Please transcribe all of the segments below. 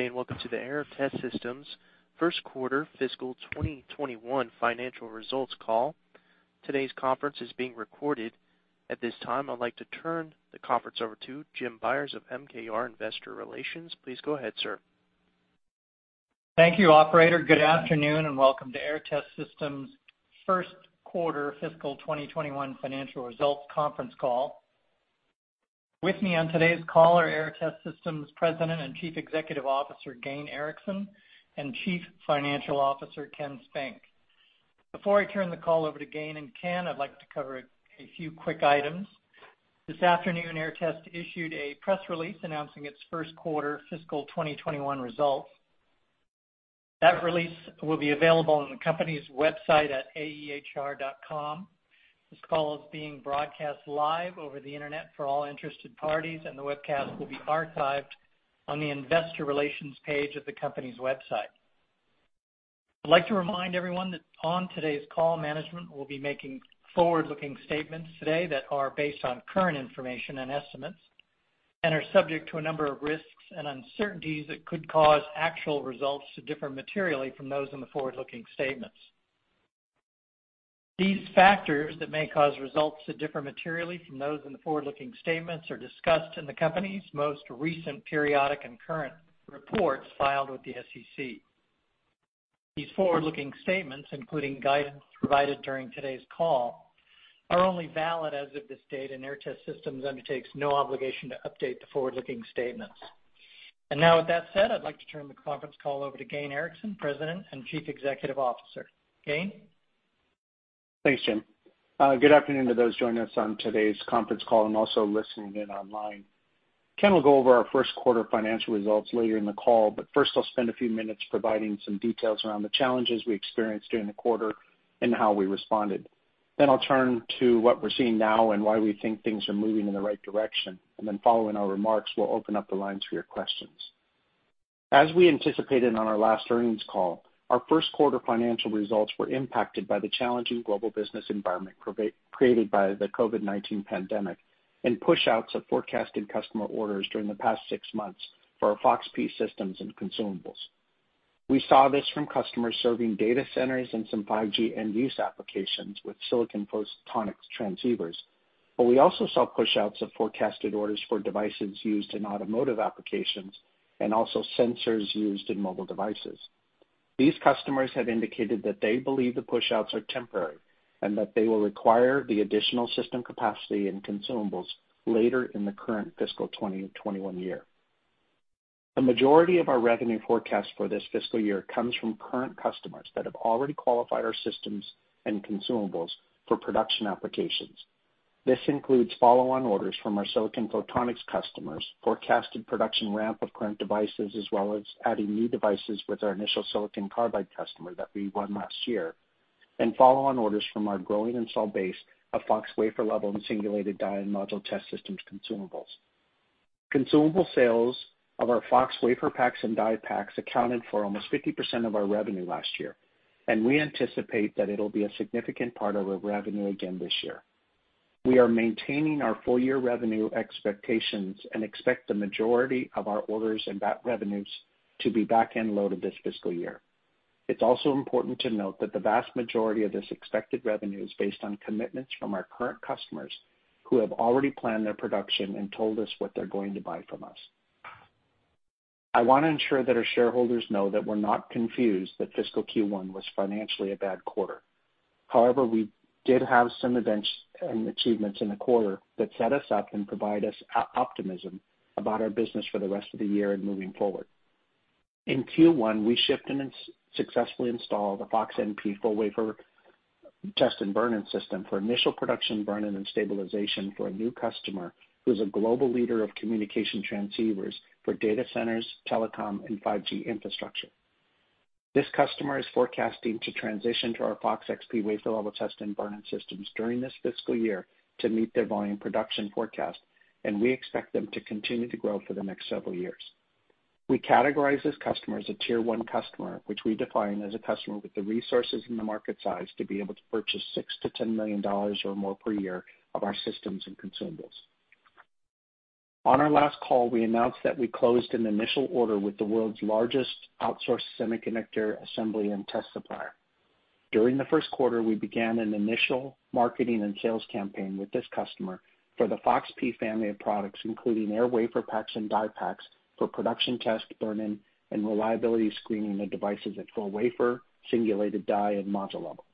Good day, and welcome to the Aehr Test Systems first quarter fiscal 2021 financial results call. Today's conference is being recorded. At this time, I'd like to turn the conference over to Jim Byers of MKR Investor Relations. Please go ahead, sir. Thank you, operator. Good afternoon, and welcome to Aehr Test Systems' first quarter fiscal 2021 financial results conference call. With me on today's call are Aehr Test Systems' President and Chief Executive Officer, Gayn Erickson, and Chief Financial Officer, Ken Spink. Before I turn the call over to Gayn and Ken, I'd like to cover a few quick items. This afternoon, Aehr Test issued a press release announcing its first quarter fiscal 2021 results. That release will be available on the company's website at aehr.com. This call is being broadcast live over the internet for all interested parties, and the webcast will be archived on the investor relations page of the company's website. I'd like to remind everyone that on today's call, management will be making forward-looking statements today that are based on current information and estimates and are subject to a number of risks and uncertainties that could cause actual results to differ materially from those in the forward-looking statements. These factors that may cause results to differ materially from those in the forward-looking statements are discussed in the company's most recent periodic and current reports filed with the SEC. These forward-looking statements, including guidance provided during today's call, are only valid as of this date, Aehr Test Systems undertakes no obligation to update the forward-looking statements. Now with that said, I'd like to turn the conference call over to Gayn Erickson, President and Chief Executive Officer. Gayn? Thanks, Jim. Good afternoon to those joining us on today's conference call and also listening in online. Ken will go over our first quarter financial results later in the call, but first, I'll spend a few minutes providing some details around the challenges we experienced during the quarter and how we responded. I'll turn to what we're seeing now and why we think things are moving in the right direction. Following our remarks, we'll open up the lines for your questions. As we anticipated on our last earnings call, our first quarter financial results were impacted by the challenging global business environment created by the COVID-19 pandemic and pushouts of forecasted customer orders during the past six months for our FOX-P systems and consumables. We saw this from customers serving data centers and some 5G end-use applications with silicon photonics transceivers. We also saw pushouts of forecasted orders for devices used in automotive applications and also sensors used in mobile devices. These customers have indicated that they believe the pushouts are temporary and that they will require the additional system capacity and consumables later in the current fiscal 2021 year. The majority of our revenue forecast for this fiscal year comes from current customers that have already qualified our systems and consumables for production applications. This includes follow-on orders from our silicon photonics customers, forecasted production ramp of current devices, as well as adding new devices with our initial silicon carbide customer that we won last year, and follow-on orders from our growing install base of FOX singulated die & module test systems consumables. Consumable sales of our FOX WaferPaks and DiePaks accounted for almost 50% of our revenue last year, and we anticipate that it'll be a significant part of our revenue again this year. We are maintaining our full-year revenue expectations and expect the majority of our orders and that revenues to be back-end loaded this fiscal year. It's also important to note that the vast majority of this expected revenue is based on commitments from our current customers, who have already planned their production and told us what they're going to buy from us. I want to ensure that our shareholders know that we're not confused that fiscal Q1 was financially a bad quarter. However, we did have some events and achievements in the quarter that set us up and provide us optimism about our business for the rest of the year and moving forward. In Q1, we shipped and successfully installed a FOX-NP full wafer Test and Burn-in System for initial production burn-in and stabilization for a new customer who's a global leader of communication transceivers for data centers, telecom, and 5G infrastructure. This customer is forecasting to transition to our FOX-XP wafer-level Test and Burn-in Systems during this fiscal year to meet their volume production forecast, and we expect them to continue to grow for the next several years. We categorize this customer as a Tier 1 customer, which we define as a customer with the resources and the market size to be able to purchase $6 million-$10 million or more per year of our systems and consumables. On our last call, we announced that we closed an initial order with the world's largest outsourced semiconductor assembly and test supplier. During the first quarter, we began an initial marketing and sales campaign with this customer for the FOX-P family of products, including their WaferPaks and DiePaks for production test, burn-in, and reliability screening of devices at singulated die, and module level.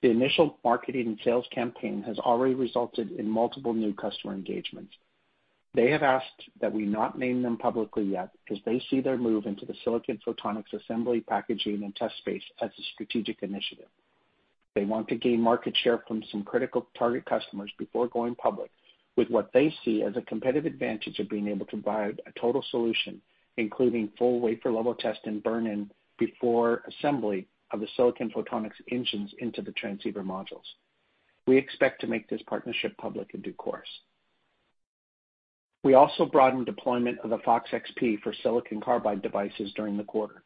The initial marketing and sales campaign has already resulted in multiple new customer engagements. They have asked that we not name them publicly yet as they see their move into the silicon photonics assembly, packaging, and test space as a strategic initiative. They want to gain market share from some critical target customers before going public with what they see as a competitive advantage of being able to provide a total solution, including full wafer-level test and burn-in before assembly of the silicon photonics engines into the transceiver modules. We expect to make this partnership public in due course. We also broadened deployment of the FOX-XP for silicon carbide devices during the quarter.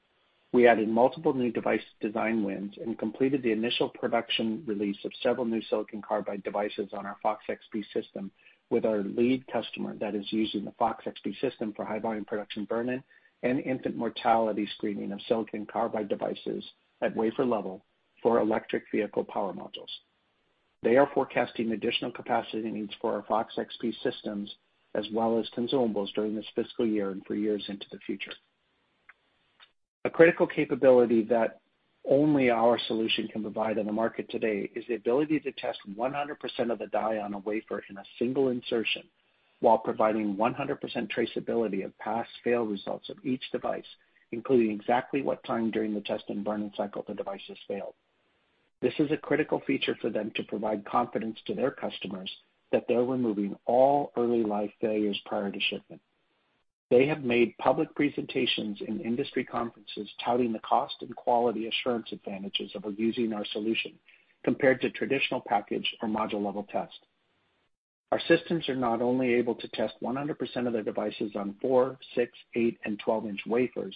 We added multiple new device design wins and completed the initial production release of several new silicon carbide devices on our FOX-XP system with our lead customer that is using the FOX-XP system for high-volume production burn-in and infant mortality screening of silicon carbide devices at wafer level for electric vehicle power modules. They are forecasting additional capacity needs for our FOX-XP systems, as well as consumables during this fiscal year and for years into the future. A critical capability that only our solution can provide on the market today is the ability to test 100% of the die on a wafer in a single insertion while providing 100% traceability of pass/fail results of each device, including exactly what time during the test and burn-in cycle the devices failed. This is a critical feature for them to provide confidence to their customers that they're removing all early life failures prior to shipment. They have made public presentations in industry conferences touting the cost and quality assurance advantages of using our solution compared to traditional package or module-level test. Our systems are not only able to test 100% of their devices on 4, 6, 8, and 12-inch wafers,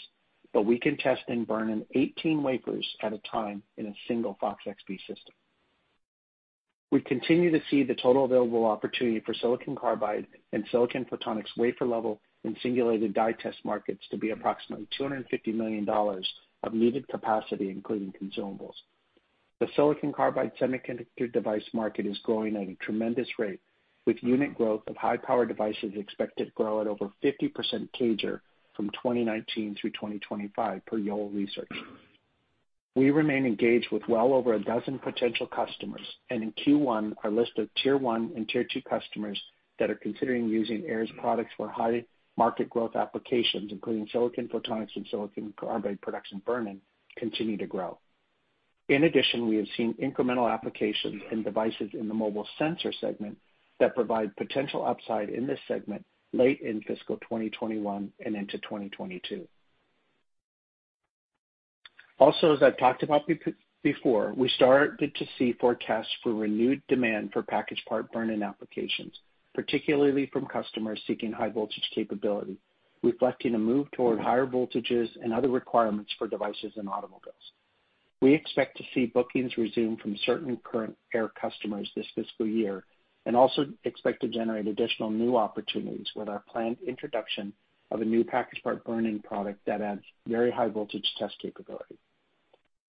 but we can test and burn-in 18 wafers at a time in a single FOX-XP system. We continue to see the total available opportunity for silicon carbide and silicon photonics wafer level singulated die test markets to be approximately $250 million of needed capacity, including consumables. The silicon carbide semiconductor device market is growing at a tremendous rate, with unit growth of high-power devices expected to grow at over 50% CAGR from 2019 through 2025, per Yole Développement. We remain engaged with well over a dozen potential customers, and in Q1, our list of Tier 1 and Tier 2 customers that are considering using Aehr's products for high market growth applications, including silicon photonics and silicon carbide production burn-in, continue to grow. In addition, we have seen incremental applications in devices in the mobile sensor segment that provide potential upside in this segment late in fiscal 2021 and into 2022. Also, as I've talked about before, we started to see forecasts for renewed demand for packaged part burn-in applications, particularly from customers seeking high voltage capability, reflecting a move toward higher voltages and other requirements for devices in automobiles. We expect to see bookings resume from certain current Aehr customers this fiscal year, and also expect to generate additional new opportunities with our planned introduction of a new packaged part burn-in product that adds very high voltage test capability.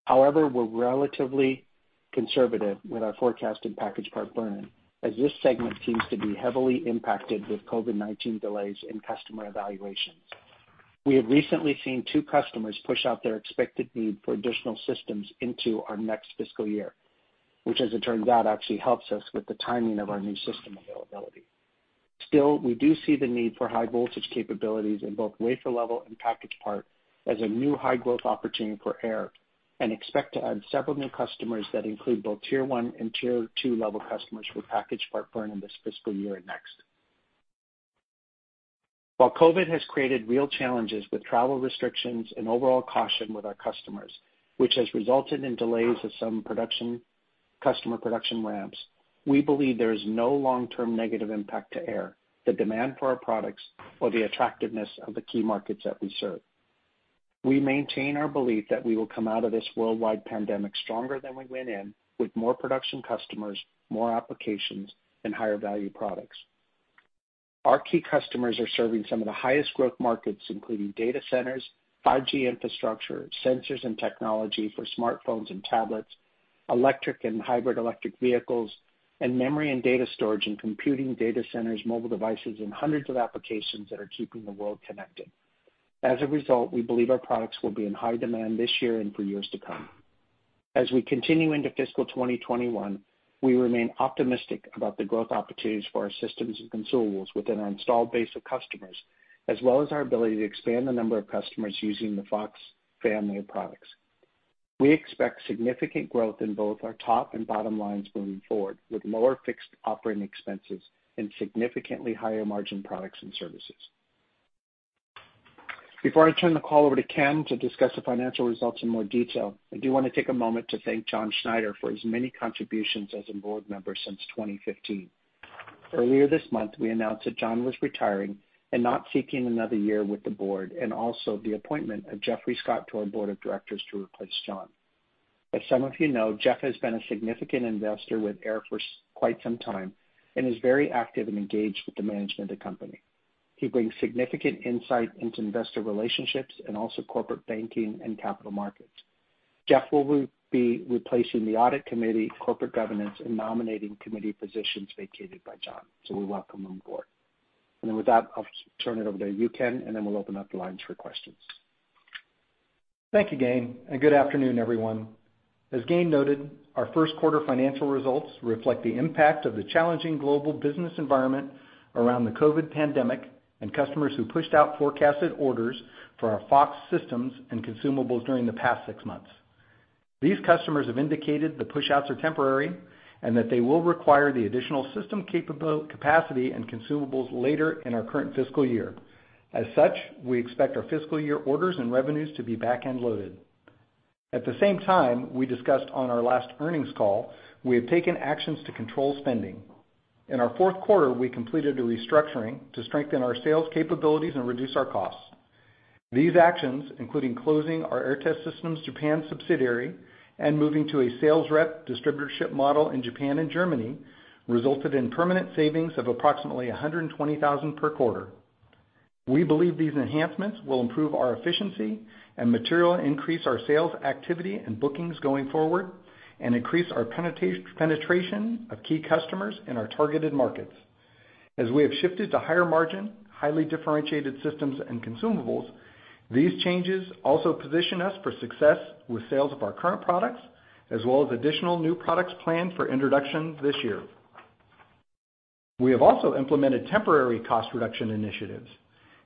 However, we're relatively conservative with our forecast in packaged part burn-in, as this segment seems to be heavily impacted with COVID-19 delays in customer evaluations. We have recently seen two customers push out their expected need for additional systems into our next fiscal year, which as it turns out, actually helps us with the timing of our new system availability. Still, we do see the need for high voltage capabilities in both wafer level and packaged part as a new high-growth opportunity for Aehr and expect to add several new customers that include both Tier 1 and Tier 2 level customers for packaged part burn-in this fiscal year and next. While COVID has created real challenges with travel restrictions and overall caution with our customers, which has resulted in delays of some customer production ramps, we believe there is no long-term negative impact to Aehr, the demand for our products, or the attractiveness of the key markets that we serve. We maintain our belief that we will come out of this worldwide pandemic stronger than we went in, with more production customers, more applications, and higher-value products. Our key customers are serving some of the highest growth markets, including data centers, 5G infrastructure, sensors and technology for smartphones and tablets, electric and hybrid electric vehicles, and memory and data storage in computing data centers, mobile devices, and 100s of applications that are keeping the world connected. As a result, we believe our products will be in high demand this year and for years to come. As we continue into fiscal 2021, we remain optimistic about the growth opportunities for our systems and consumables within our installed base of customers, as well as our ability to expand the number of customers using the FOX family of products. We expect significant growth in both our top and bottom lines moving forward, with lower fixed operating expenses and significantly higher margin products and services. Before I turn the call over to Ken to discuss the financial results in more detail, I do want to take a moment to thank John Schneider for his many contributions as a board member since 2015. Earlier this month, we announced that John was retiring and not seeking another year with the board, and also the appointment of Geoffrey Scott to our Board of Directors to replace John. As some of you know, Jeff has been a significant investor with Aehr for quite some time and is very active and engaged with the management of the company. He brings significant insight into investor relationships and also corporate banking and capital markets. Jeff will be replacing the Audit Committee, Corporate Governance, and Nominating Committee positions vacated by John, so we welcome him aboard. With that, I'll turn it over to you, Ken, and then we'll open up the lines for questions. Thank you, Gayn, and good afternoon, everyone. As Gayn noted, our first quarter financial results reflect the impact of the challenging global business environment around the COVID-19 pandemic and customers who pushed out forecasted orders for our FOX systems and consumables during the past six months. These customers have indicated the pushouts are temporary and that they will require the additional system capacity and consumables later in our current fiscal year. As such, we expect our fiscal year orders and revenues to be back-end loaded. At the same time, we discussed on our last earnings call, we have taken actions to control spending. In our fourth quarter, we completed a restructuring to strengthen our sales capabilities and reduce our costs. These actions, including closing our Aehr Test Systems Japan subsidiary and moving to a sales rep distributorship model in Japan and Germany, resulted in permanent savings of approximately $120,000 per quarter. We believe these enhancements will improve our efficiency and materially increase our sales activity and bookings going forward, and increase our penetration of key customers in our targeted markets. As we have shifted to higher margin, highly differentiated systems and consumables, these changes also position us for success with sales of our current products, as well as additional new products planned for introduction this year. We have also implemented temporary cost reduction initiatives.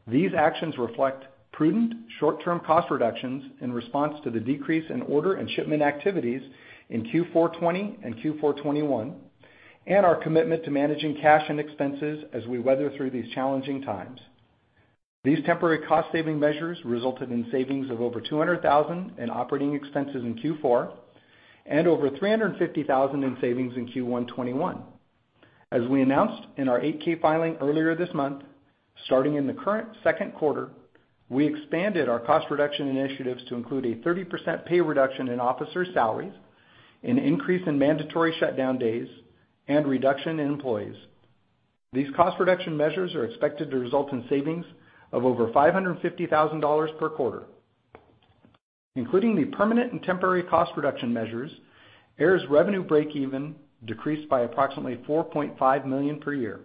These actions reflect prudent short-term cost reductions in response to the decrease in order and shipment activities in Q4 2020 and Q4 2021, and our commitment to managing cash and expenses as we weather through these challenging times. These temporary cost saving measures resulted in savings of over $200,000 in operating expenses in Q4, and over $350,000 in savings in Q1 2021. As we announced in our 8-K filing earlier this month, starting in the current second quarter, we expanded our cost reduction initiatives to include a 30% pay reduction in officer salaries, an increase in mandatory shutdown days, and reduction in employees. These cost reduction measures are expected to result in savings of over $550,000 per quarter. Including the permanent and temporary cost reduction measures, Aehr's revenue breakeven decreased by approximately $4.5 million per year.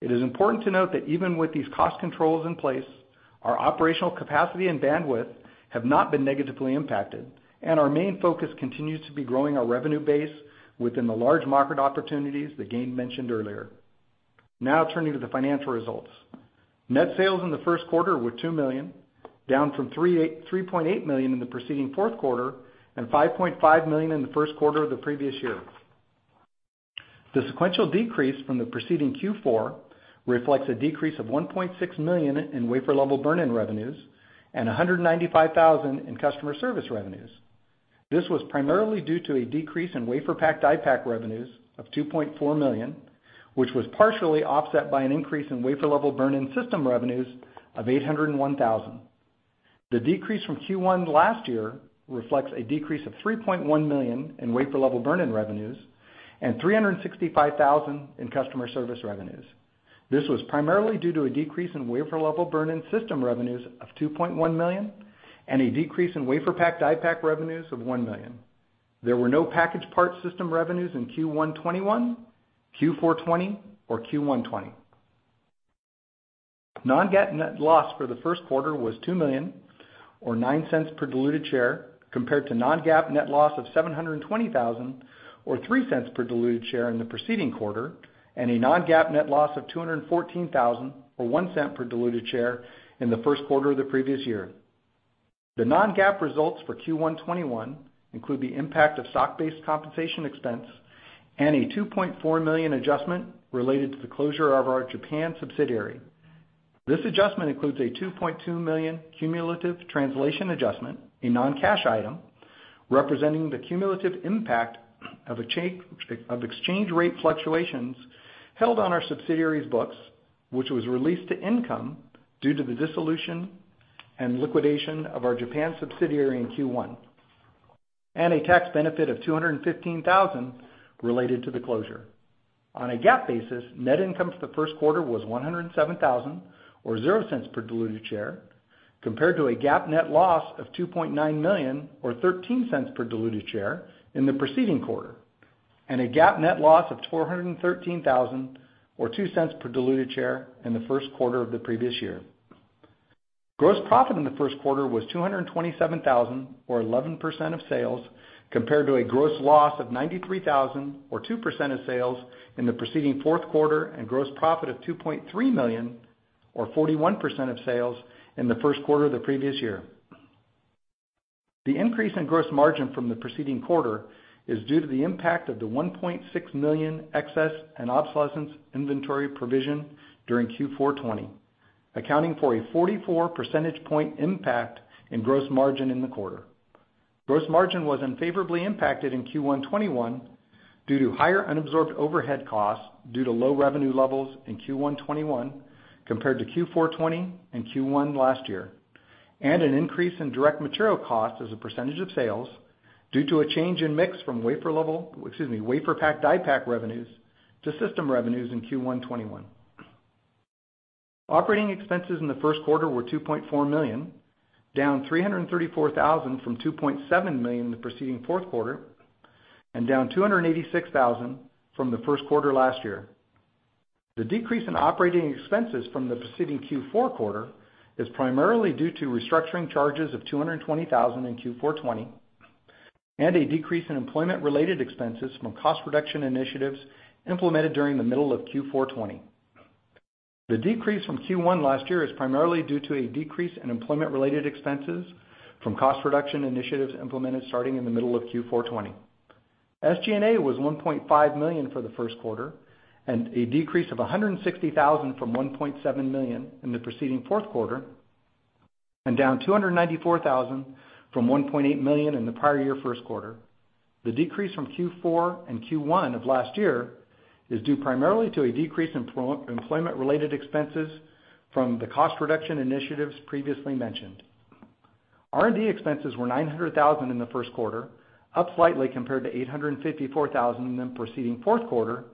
It is important to note that even with these cost controls in place, our operational capacity and bandwidth have not been negatively impacted, and our main focus continues to be growing our revenue base within the large market opportunities that Gayn mentioned earlier. Now turning to the financial results. Net sales in the first quarter were $2 million, down from $3.8 million in the preceding fourth quarter and $5.5 million in the first quarter of the previous year. The sequential decrease from the preceding Q4 reflects a decrease of $1.6 million in wafer-level burn-in revenues and $195,000 in customer service revenues. This was primarily due to a decrease in WaferPak DiePak revenues of $2.4 million, which was partially offset by an increase in wafer-level burn-in System revenues of $801,000. The decrease from Q1 last year reflects a decrease of $3.1 million in wafer-level burn-in revenues and $365,000 in customer service revenues. This was primarily due to a decrease in wafer-level burn-in System revenues of $2.1 million and a decrease in WaferPak DiePak revenues of $1 million. There were no packaged part system revenues in Q1 2021, Q4 2020 or Q1 2020. Non-GAAP net loss for the first quarter was $2 million or $0.09 per diluted share compared to non-GAAP net loss of $720,000 or $0.03 per diluted share in the preceding quarter, and a non-GAAP net loss of $214,000 or $0.01 per diluted share in the first quarter of the previous year. The non-GAAP results for Q1 2021 include the impact of stock-based compensation expense and a $2.4 million adjustment related to the closure of our Japan subsidiary. This adjustment includes a $2.2 million cumulative translation adjustment, a non-cash item, representing the cumulative impact of exchange rate fluctuations held on our subsidiary's books, which was released to income due to the dissolution and liquidation of our Japan subsidiary in Q1. A tax benefit of $215,000 related to the closure. On a GAAP basis, net income for the first quarter was $107,000, or $0.00 per diluted share, compared to a GAAP net loss of $2.9 million or $0.13 per diluted share in the preceding quarter, and a GAAP net loss of $413,000 or $0.02 per diluted share in the first quarter of the previous year. Gross profit in the first quarter was $227,000 or 11% of sales compared to a gross loss of $93,000 or 2% of sales in the preceding fourth quarter and gross profit of $2.3 million or 41% of sales in the first quarter of the previous year. The increase in gross margin from the preceding quarter is due to the impact of the $1.6 million excess and obsolescence inventory provision during Q4 2020, accounting for a 44 percentage point impact in gross margin in the quarter. Gross margin was unfavorably impacted in Q1 2021 due to higher unabsorbed overhead costs due to low revenue levels in Q1 2021 compared to Q4 2020 and Q1 last year, and an increase in direct material cost as a % of sales due to a change in mix from wafer level, excuse me, WaferPak DiePak revenues to system revenues in Q1 2021. Operating expenses in the first quarter were $2.4 million, down $334,000 from $2.7 million in the preceding fourth quarter, and down $286,000 from the first quarter last year. The decrease in operating expenses from the preceding Q4 quarter is primarily due to restructuring charges of $220,000 in Q4 2020 and a decrease in employment-related expenses from cost reduction initiatives implemented during the middle of Q4 2020. The decrease from Q1 last year is primarily due to a decrease in employment-related expenses from cost reduction initiatives implemented starting in the middle of Q4 2020. SG&A was $1.5 million for the first quarter, and a decrease of $160,000 from $1.7 million in the preceding fourth quarter, and down $294,000 from $1.8 million in the prior year first quarter. The decrease from Q4 and Q1 of last year is due primarily to a decrease in employment-related expenses from the cost reduction initiatives previously mentioned. R&D expenses were $900,000 in the first quarter, up slightly compared to $854,000 in the preceding fourth quarter,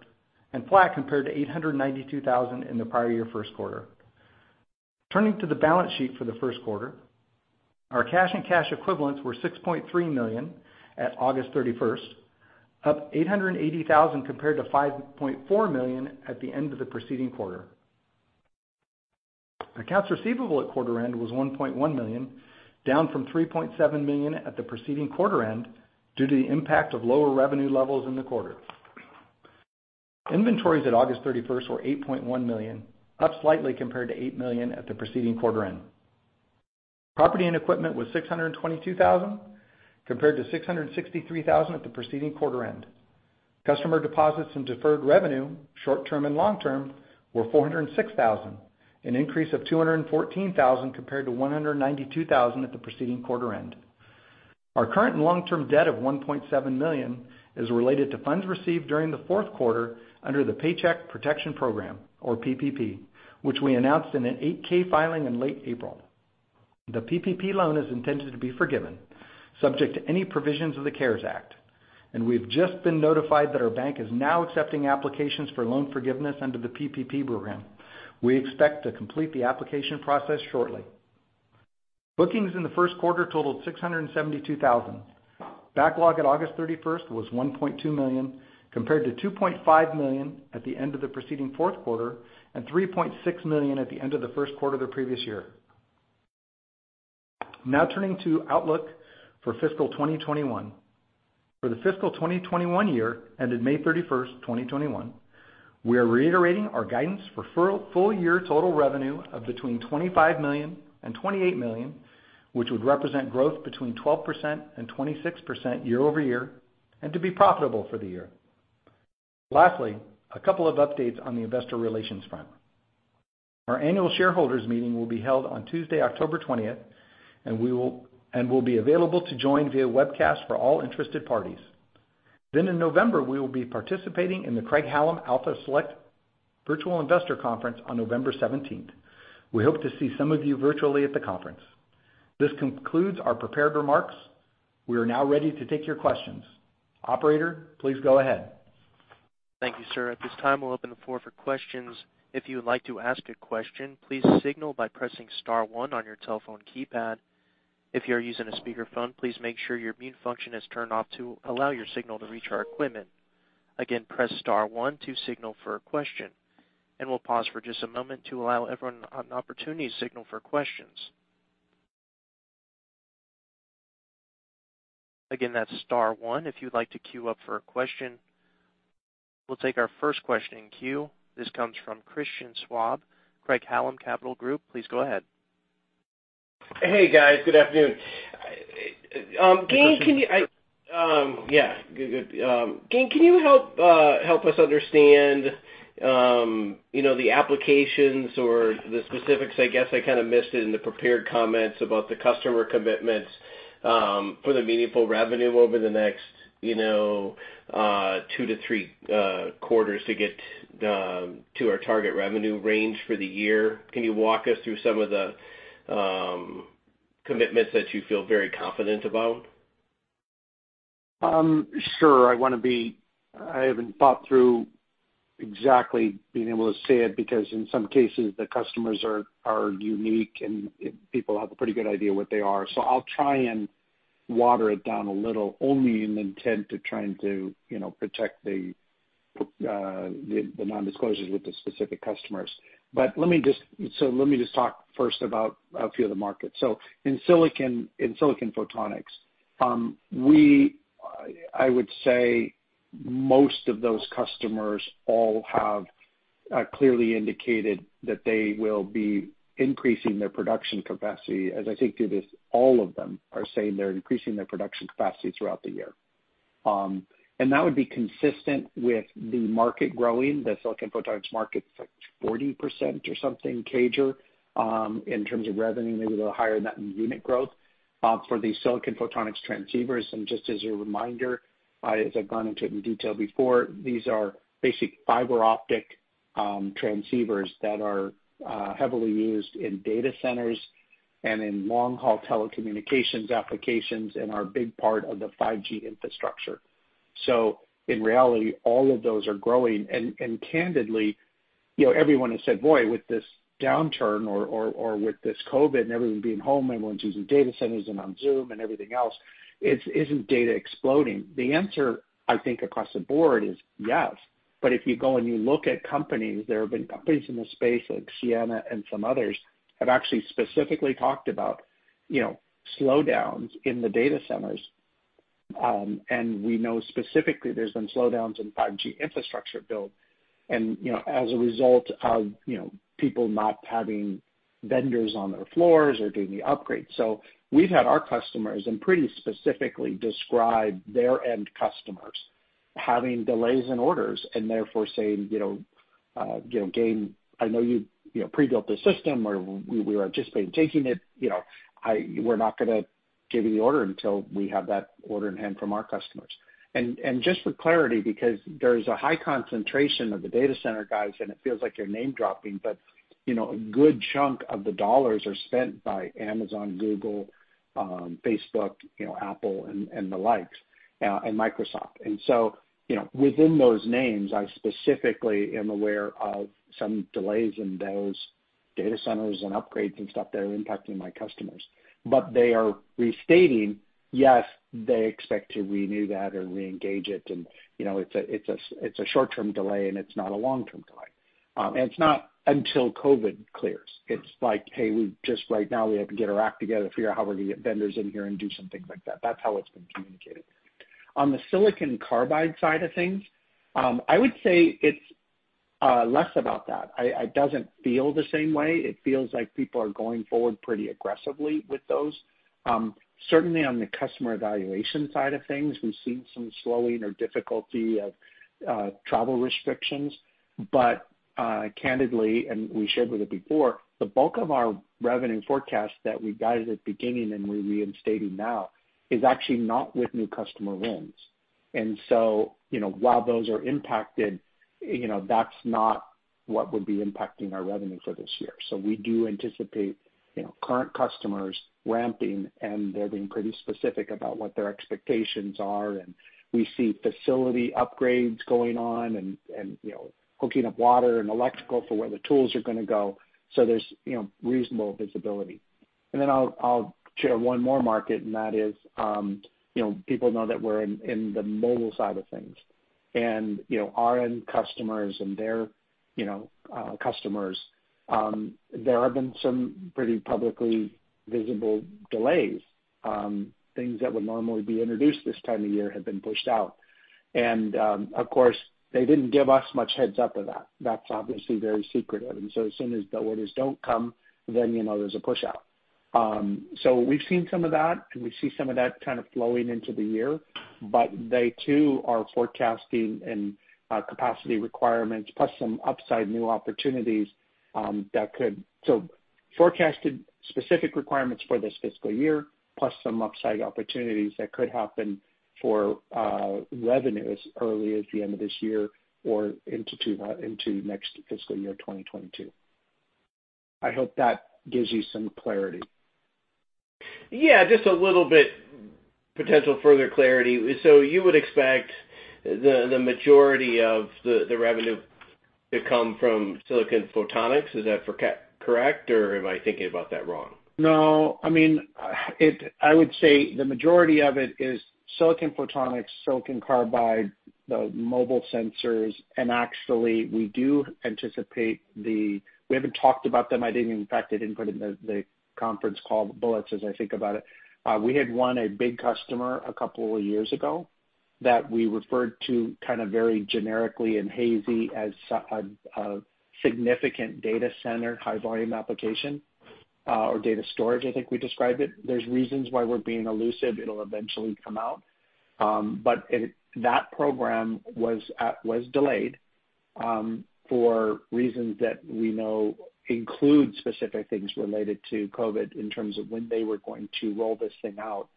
and flat compared to $892,000 in the prior year first quarter. Turning to the balance sheet for the first quarter, our cash and cash equivalents were $6.3 million at August 31st, up $880,000 compared to $5.4 million at the end of the preceding quarter. Accounts receivable at quarter end was $1.1 million, down from $3.7 million at the preceding quarter end due to the impact of lower revenue levels in the quarter. Inventories at August 31st were $8.1 million, up slightly compared to $8 million at the preceding quarter end. Property and equipment was $622,000 compared to $663,000 at the preceding quarter end. Customer deposits and deferred revenue, short-term and long-term, were $406,000, an increase of $214,000 compared to $192,000 at the preceding quarter end. Our current and long-term debt of $1.7 million is related to funds received during the fourth quarter under the Paycheck Protection Program, or PPP, which we announced in an 8-K filing in late April. The PPP loan is intended to be forgiven, subject to any provisions of the CARES Act, and we've just been notified that our bank is now accepting applications for loan forgiveness under the PPP program. We expect to complete the application process shortly. Bookings in the first quarter totaled $672,000. Backlog at August 31st was $1.2 million, compared to $2.5 million at the end of the preceding fourth quarter, and $3.6 million at the end of the first quarter the previous year. Turning to outlook for fiscal 2021. For the fiscal 2021 year, ended May 31st, 2021, we are reiterating our guidance for full year total revenue of between $25 million and $28 million, which would represent growth between 12% and 26% year-over-year, and to be profitable for the year. Lastly, a couple of updates on the investor relations front. Our annual shareholders meeting will be held on Tuesday, October 20th, and will be available to join via webcast for all interested parties. In November, we will be participating in the Craig-Hallum Alpha Select Virtual Investor Conference on November 17th. We hope to see some of you virtually at the conference. This concludes our prepared remarks. We are now ready to take your questions. Operator, please go ahead. Thank you, sir. At this time, we'll open the floor for questions. If you would like to ask a question, please signal by pressing star one on your telephone keypad. If you are using a speakerphone, please make sure your mute function is turned off to allow your signal to reach our equipment. Again, press star one to signal for a question, and we'll pause for just a moment to allow everyone an opportunity to signal for questions. Again, that's star one if you'd like to queue up for a question. We'll take our first question in queue. This comes from Christian Schwab, Craig-Hallum Capital Group. Please go ahead. Hey, guys. Good afternoon. Christian- Gayn. Yeah. Good. Gayn, can you help us understand the applications or the specifics, I guess I kind of missed it in the prepared comments about the customer commitments for the meaningful revenue over the next two to three quarters to get to our target revenue range for the year? Can you walk us through some of the commitments that you feel very confident about? Sure. I haven't thought through exactly being able to say it, because in some cases, the customers are unique, and people have a pretty good idea what they are. I'll try and water it down a little, only in intent of trying to protect the non-disclosures with the specific customers. Let me just talk first about a few of the markets. In silicon photonics, I would say most of those customers all have clearly indicated that they will be increasing their production capacity. As I think through this, all of them are saying they're increasing their production capacity throughout the year. That would be consistent with the market growing, the silicon photonics market's like 40% or something CAGR in terms of revenue, maybe a little higher than that in unit growth for the silicon photonics transceivers. Just as a reminder, as I've gone into it in detail before, these are basic fiber optic transceivers that are heavily used in data centers and in long-haul telecommunications applications, and are a big part of the 5G infrastructure. In reality, all of those are growing. Candidly, everyone has said, boy, with this downturn or with this COVID-19 and everyone being home, everyone's using data centers and on Zoom and everything else, isn't data exploding? The answer, I think, across the board is yes. If you go and you look at companies, there have been companies in the space like Ciena and some others have actually specifically talked about slowdowns in the data centers. We know specifically there's been slowdowns in 5G infrastructure build. As a result of people not having vendors on their floors or doing the upgrades. We've had our customers, and pretty specifically describe their end customers having delays in orders, and therefore saying, "Gayn, I know you pre-built this system, or we are anticipating taking it. We're not going to give you the order until we have that order in hand from our customers." Just for clarity, because there's a high concentration of the data center guys, and it feels like you're name-dropping, but a good chunk of the dollars are spent by Amazon, Google, Facebook, Apple, and the likes, and Microsoft. Within those names, I specifically am aware of some delays in those data centers and upgrades and stuff that are impacting my customers. They are restating, yes, they expect to renew that or re-engage it, and it's a short-term delay, and it's not a long-term delay. It's not until COVID-19 clears. It's like, "Hey, just right now, we have to get our act together, figure out how we're going to get vendors in here and do some things like that." That's how it's been communicated. On the silicon carbide side of things, I would say it's less about that. It doesn't feel the same way. It feels like people are going forward pretty aggressively with those. Certainly, on the customer evaluation side of things, we've seen some slowing or difficulty of travel restrictions. Candidly, and we shared with it before, the bulk of our revenue forecast that we guided at the beginning and we're reinstating now is actually not with new customer wins. While those are impacted, that's not what would be impacting our revenue for this year. We do anticipate current customers ramping, and they're being pretty specific about what their expectations are, and we see facility upgrades going on, and hooking up water and electrical for where the tools are going to go. There's reasonable visibility. Then I'll share one more market, and that is people know that we're in the mobile side of things. Our end customers and their customers, there have been some pretty publicly visible delays. Things that would normally be introduced this time of year have been pushed out. Of course, they didn't give us much heads up of that. That's obviously very secretive. As soon as the orders don't come, then there's a push out. We've seen some of that, and we see some of that kind of flowing into the year, but they too are forecasting in capacity requirements plus some upside new opportunities. Forecasted specific requirements for this fiscal year, plus some upside opportunities that could happen for revenues early as the end of this year or into next fiscal year, 2022. I hope that gives you some clarity. Yeah, just a little bit potential further clarity. You would expect the majority of the revenue to come from silicon photonics. Is that correct, or am I thinking about that wrong? No. I would say the majority of it is silicon photonics, silicon carbide, the mobile sensors, and actually, we do anticipate. We haven't talked about them. I didn't, in fact, I didn't put in the conference call bullets as I think about it. We had won a big customer a couple of years ago that we referred to kind of very generically and hazy as a significant data center, high volume application, or data storage, I think we described it. There's reasons why we're being elusive. It'll eventually come out. That program was delayed for reasons that we know include specific things related to COVID in terms of when they were going to roll this thing out.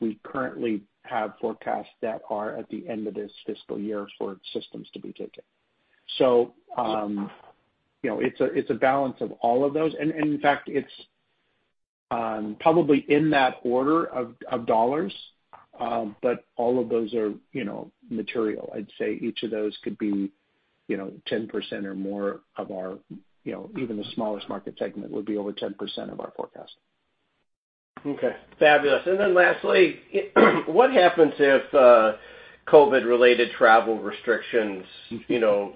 We currently have forecasts that are at the end of this fiscal year for systems to be taken. It's a balance of all of those. In fact, it's probably in that order of dollars, but all of those are material. I'd say each of those could be 10% or more. Even the smallest market segment would be over 10% of our forecast. Okay, fabulous. Lastly, what happens if COVID-related travel restrictions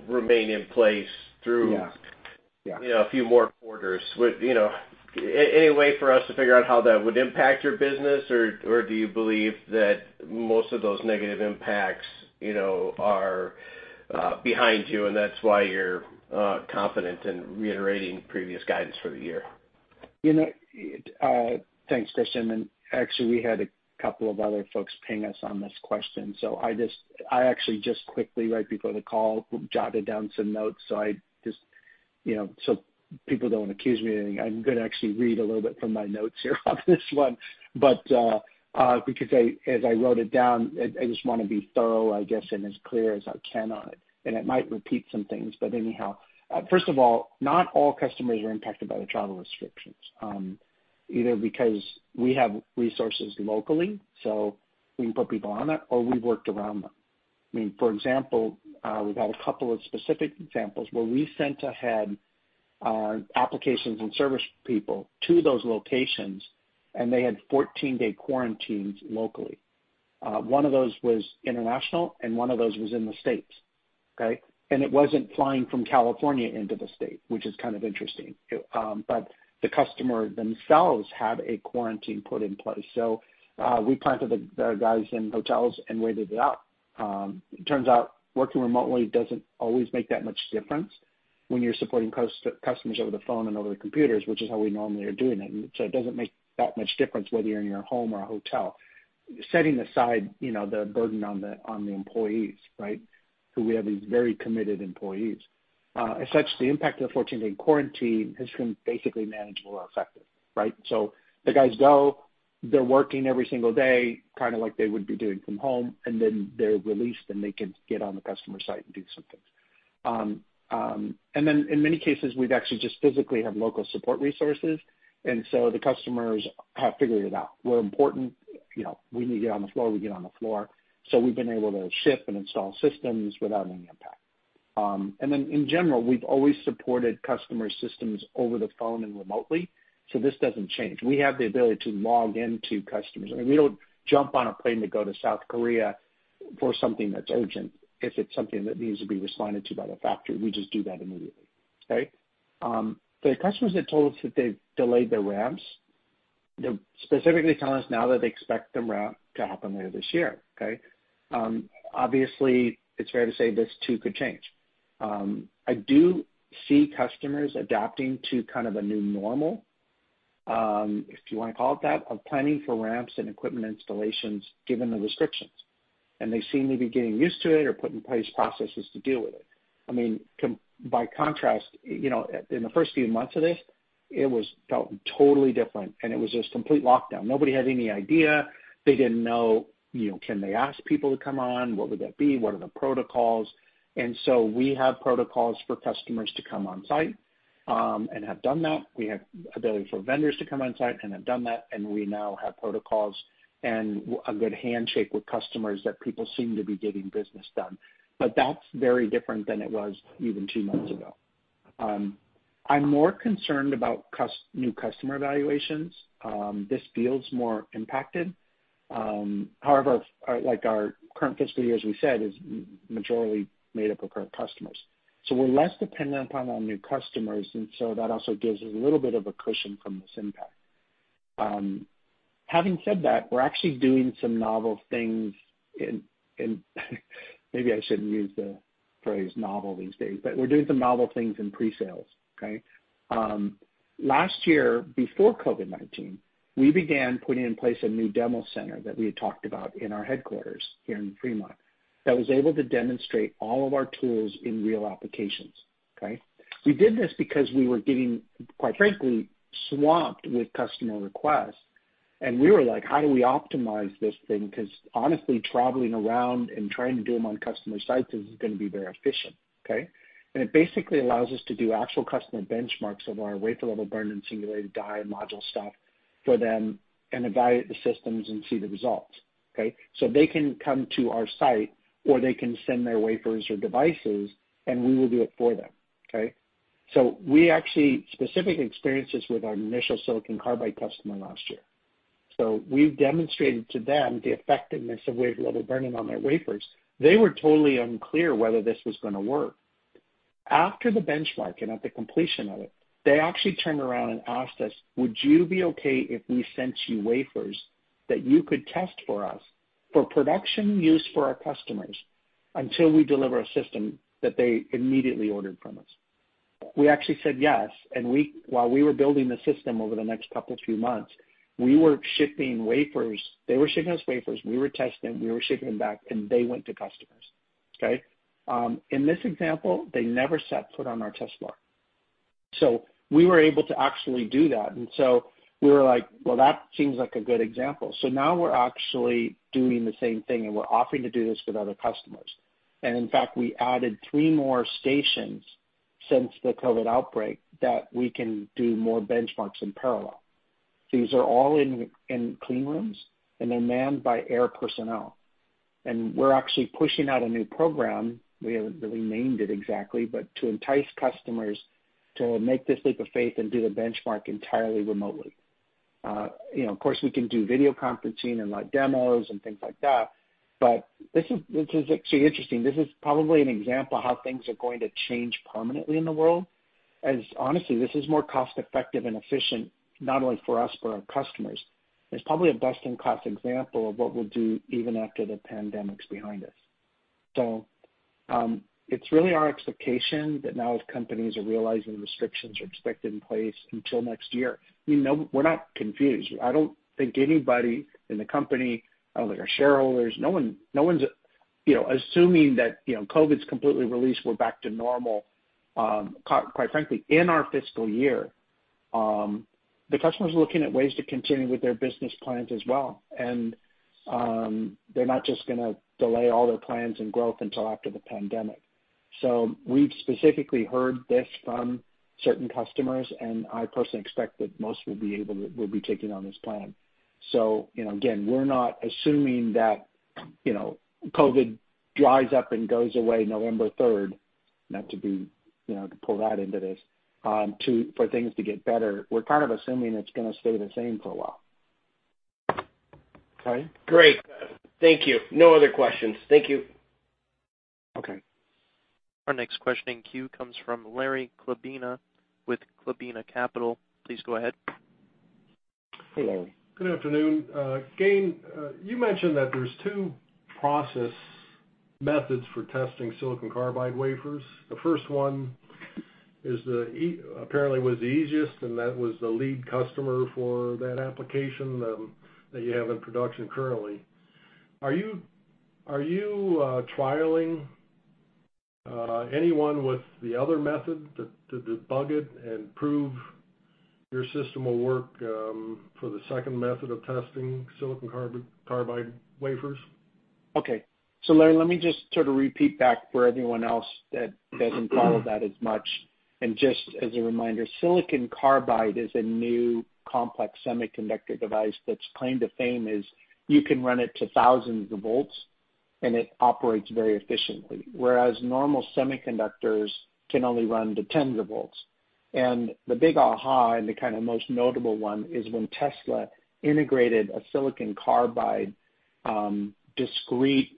remain in place through- Yeah A few more quarters? Any way for us to figure out how that would impact your business, or do you believe that most of those negative impacts are behind you, and that's why you're confident in reiterating previous guidance for the year? Thanks, Christian. Actually, we had a couple of other folks ping us on this question. I actually just quickly, right before the call, jotted down some notes, so people don't accuse me of anything. I'm going to actually read a little bit from my notes here on this one. Because as I wrote it down, I just want to be thorough, I guess, and as clear as I can on it, and it might repeat some things, but anyhow. First of all, not all customers are impacted by the travel restrictions, either because we have resources locally, so we can put people on it, or we've worked around them. For example, we've had a couple of specific examples where we sent ahead applications and service people to those locations, and they had 14-day quarantines locally. One of those was international, and one of those was in the United States. Okay. It wasn't flying from California into the United States., which is kind of interesting. The customer themselves had a quarantine put in place. We planted the guys in hotels and waited it out. It turns out working remotely doesn't always make that much difference. When you're supporting customers over the phone and over the computers, which is how we normally are doing it doesn't make that much difference whether you're in your home or a hotel. Setting aside the burden on the employees, right? Who we have is very committed employees. As such, the impact of the 14-day quarantine has been basically manageable or effective, right? The guys go, they're working every single day, kind of like they would be doing from home, and then they're released, and they can get on the customer site and do some things. In many cases, we've actually just physically have local support resources. The customers have figured it out. We're important. We need to get on the floor, we get on the floor. We've been able to ship and install systems without any impact. In general, we've always supported customer systems over the phone and remotely, so this doesn't change. We have the ability to log into customers. I mean, we don't jump on a plane to go to South Korea for something that's urgent. If it's something that needs to be responded to by the factory, we just do that immediately. Okay. The customers that told us that they've delayed their ramps, they're specifically telling us now that they expect the ramp to happen later this year. Okay? Obviously, it's fair to say this too could change. I do see customers adapting to kind of a new normal, if you want to call it that, of planning for ramps and equipment installations given the restrictions. They seem to be getting used to it or put in place processes to deal with it. I mean, by contrast, in the first few months of this, it was totally different, and it was just complete lockdown. Nobody had any idea. They didn't know, can they ask people to come on? What would that be? What are the protocols? We have protocols for customers to come on site, and have done that. We have ability for vendors to come on site and have done that, and we now have protocols and a good handshake with customers that people seem to be getting business done. That's very different than it was even two months ago. I'm more concerned about new customer evaluations. This feels more impacted. However, like our current fiscal year, as we said, is majorly made up of current customers. We're less dependent upon our new customers, and so that also gives us a little bit of a cushion from this impact. Having said that, we're actually doing some novel things in maybe I shouldn't use the phrase novel these days, but we're doing some novel things in pre-sales. Okay? Last year, before COVID-19, we began putting in place a new demo center that we had talked about in our headquarters here in Fremont, that was able to demonstrate all of our tools in real applications. Okay? We did this because we were getting, quite frankly, swamped with customer requests, and we were like, "How do we optimize this thing?" Honestly, traveling around and trying to do them on customer sites isn't going to be very efficient. Okay? It basically allows us to do actual customer benchmarks of our wafer level burn-in singulated die module stuff for them and evaluate the systems and see the results. Okay? They can come to our site, or they can send their wafers or devices, and we will do it for them. Okay? We actually specific experiences with our initial silicon carbide customer last year. We've demonstrated to them the effectiveness of wafer-level burn-in on their wafers. They were totally unclear whether this was going to work. After the benchmark and at the completion of it, they actually turned around and asked us, "Would you be okay if we sent you wafers that you could test for us for production use for our customers until we deliver a system that they immediately ordered from us?" We actually said yes, and while we were building the system over the next couple few months, we were shipping wafers. They were shipping us wafers, we were testing them, we were shipping them back, and they went to customers. Okay? In this example, they never set foot on our test floor. We were able to actually do that, we were like, well, that seems like a good example. Now we're actually doing the same thing, and we're offering to do this with other customers. In fact, we added three more stations since the COVID outbreak that we can do more benchmarks in parallel. These are all in clean rooms, and they're manned by Aehr personnel. We're actually pushing out a new program, we haven't really named it exactly, but to entice customers to make this leap of faith and do the benchmark entirely remotely. Of course, we can do video conferencing and live demos and things like that, but this is actually interesting. This is probably an example of how things are going to change permanently in the world. Honestly, this is more cost-effective and efficient, not only for us, for our customers. It is probably a best in class example of what we will do even after the pandemic's behind us. It is really our expectation that now as companies are realizing restrictions are expected in place until next year, we are not confused. I do not think anybody in the company, like our shareholders, no one is assuming that COVID is completely released, we are back to normal, quite frankly, in our fiscal year. The customers are looking at ways to continue with their business plans as well, and they are not just going to delay all their plans and growth until after the pandemic. We have specifically heard this from certain customers, and I personally expect that most will be taking on this plan. Again, we are not assuming that COVID dries up and goes away November 3rd, not to pull that into this, for things to get better. We're kind of assuming it's going to stay the same for a while. Okay? Great. Thank you. No other questions. Thank you. Okay. Our next question in queue comes from Larry Chlebina with Chlebina Capital. Please go ahead. Hello. Good afternoon. Gayn, you mentioned that there's two process methods for testing silicon carbide wafers. The first one apparently was the easiest, that was the lead customer for that application that you have in production currently. Are you trialing anyone with the other method to debug it and prove your system will work for the second method of testing silicon carbide wafers? Larry, let me just sort of repeat back for everyone else that doesn't follow that as much, and just as a reminder, silicon carbide is a new complex semiconductor device that's claim to fame is you can run it to thousands of volts, and it operates very efficiently. Whereas normal semiconductors can only run to tens of volts. The big aha, and the kind of most notable one is when Tesla integrated a silicon carbide, discrete,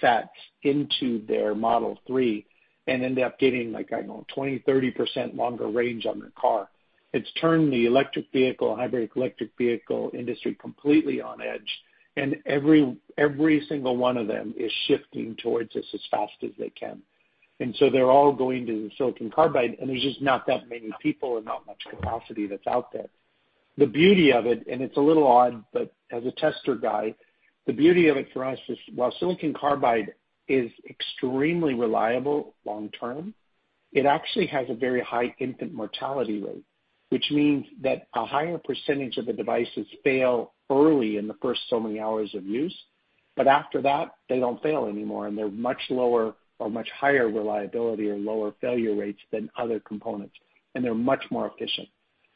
FETs into their Model 3, and ended up getting like, I don't know, 20%-30% longer range on their car. It's turned the electric vehicle, hybrid electric vehicle industry completely on edge. Every single one of them is shifting towards us as fast as they can. They're all going to the silicon carbide, and there's just not that many people and not much capacity that's out there. The beauty of it, and it's a little odd, but as a tester guy, the beauty of it for us is while silicon carbide is extremely reliable long term, it actually has a very high infant mortality rate, which means that a higher % of the devices fail early in the first so many hours of use. After that, they don't fail anymore, and they're much lower or much higher reliability or lower failure rates than other components, and they're much more efficient.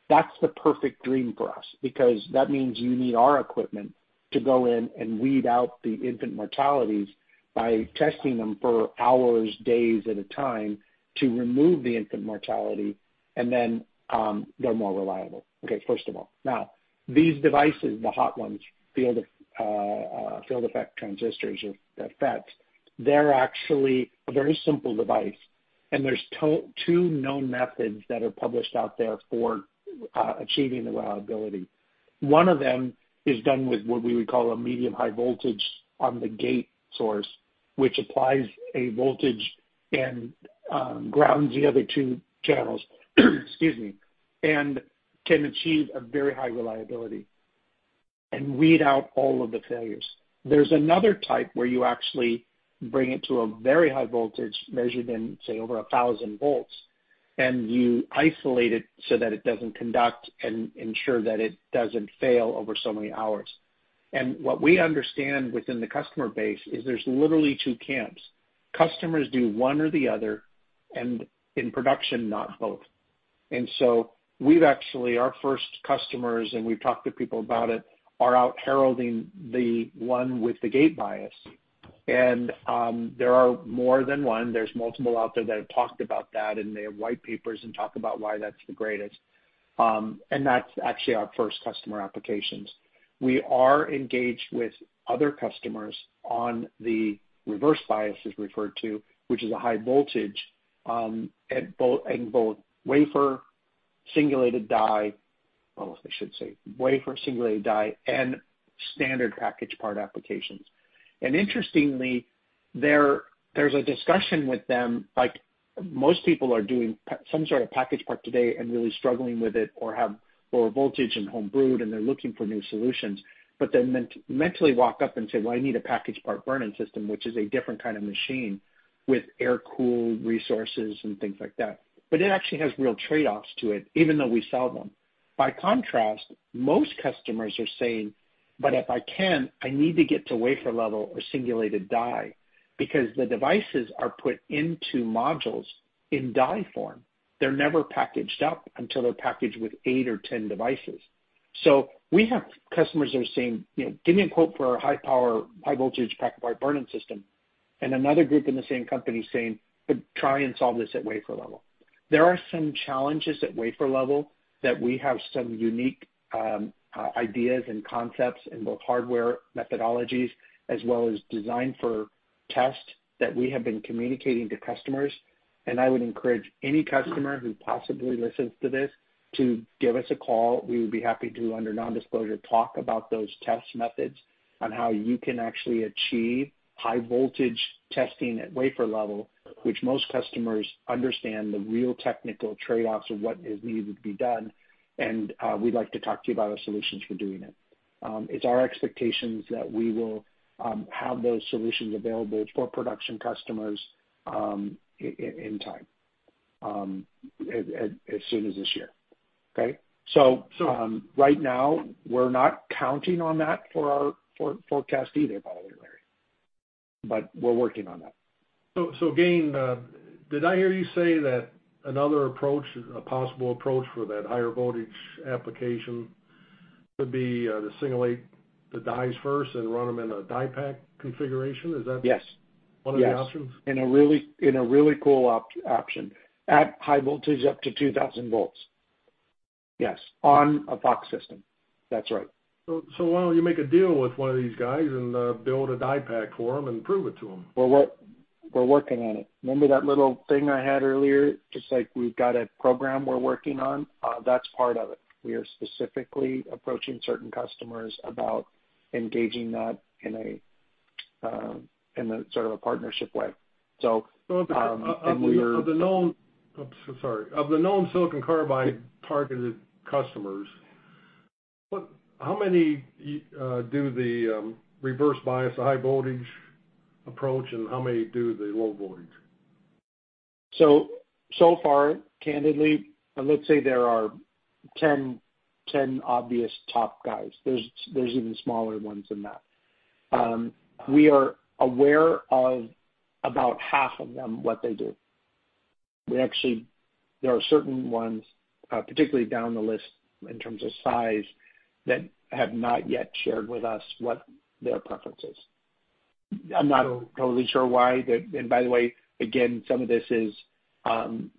That's the perfect dream for us, because that means you need our equipment to go in and weed out the infant mortalities by testing them for hours, days at a time to remove the infant mortality, and then they're more reliable. Okay, first of all. These devices, the hot ones, field-effect transistors or FETs, they're actually a very simple device, and there's two known methods that are published out there for achieving the reliability. One of them is done with what we would call a medium high voltage on the gate source, which applies a voltage and grounds the other two channels. Excuse me. Can achieve a very high reliability and weed out all of the failures. There's another type where you actually bring it to a very high voltage measured in, say, over 1,000 volts, and you isolate it so that it doesn't conduct and ensure that it doesn't fail over so many hours. What we understand within the customer base is there's literally two camps. Customers do one or the other, and in production, not both. We've actually, our first customers, and we've talked to people about it, are out heralding the one with the gate bias. There are more than one. There's multiple out there that have talked about that, and they have white papers and talk about why that's the greatest. That's actually our first customer applications. We are engaged with other customers on the reverse bias, as referred to, which is a high voltage, wafer singulated die oh, i wafer singulated die and standard package part applications. Interestingly, there's a discussion with them, like most people are doing some sort of packaged part today and really struggling with it or have lower voltage and home-brewed, and they're looking for new solutions, then mentally walk up and say, "Well, I need a packaged part burn-in system," which is a different kind of machine with air-cooled resources and things like that. It actually has real trade-offs to it, even though we sell them. By contrast, most customers are saying, "If I can, I need to get to wafer-level singulated die," because the devices are put into modules in die form. They're never packaged up until they're packaged with eight or 10 devices. We have customers that are saying, "Give me a quote for a high power, high voltage packaged part burn-in system," and another group in the same company saying, "Try and solve this at wafer level." There are some challenges at wafer level that we have some unique ideas and concepts in both hardware methodologies as well as design for test that we have been communicating to customers, and I would encourage any customer who possibly listens to this to give us a call. We would be happy to, under non-disclosure, talk about those test methods on how you can actually achieve high voltage testing at wafer level, which most customers understand the real technical trade-offs of what is needed to be done, and we'd like to talk to you about our solutions for doing it. It's our expectations that we will have those solutions available for production customers in time, as soon as this year. Okay? Right now, we're not counting on that for our forecast either, by the way, Larry. We're working on that. Gayn, did I hear you say that another approach, a possible approach for that higher voltage application would be to singulate the dies first and run them in a DiePak configuration? Is that? Yes One of the options? Yes. In a really cool option. At high voltage, up to 2,000 volts. Yes. On a FOX system. That's right. Why don't you make a deal with one of these guys and build a DiePak for them and prove it to them? Well, we're working on it. Remember that little thing I had earlier, just like we've got a program we're working on? That's part of it. We are specifically approaching certain customers about engaging that in a sort of a partnership way. Of the known. And we are- Sorry. Of the known silicon carbide targeted customers, how many do the reverse bias high voltage approach, and how many do the low voltage? Far, candidly, let's say there are 10 obvious top guys. There's even smaller ones than that. We are aware of about 1/2 of them, what they do. There are certain ones, particularly down the list in terms of size, that have not yet shared with us what their preference is. I'm not totally sure why. By the way, again, some of this is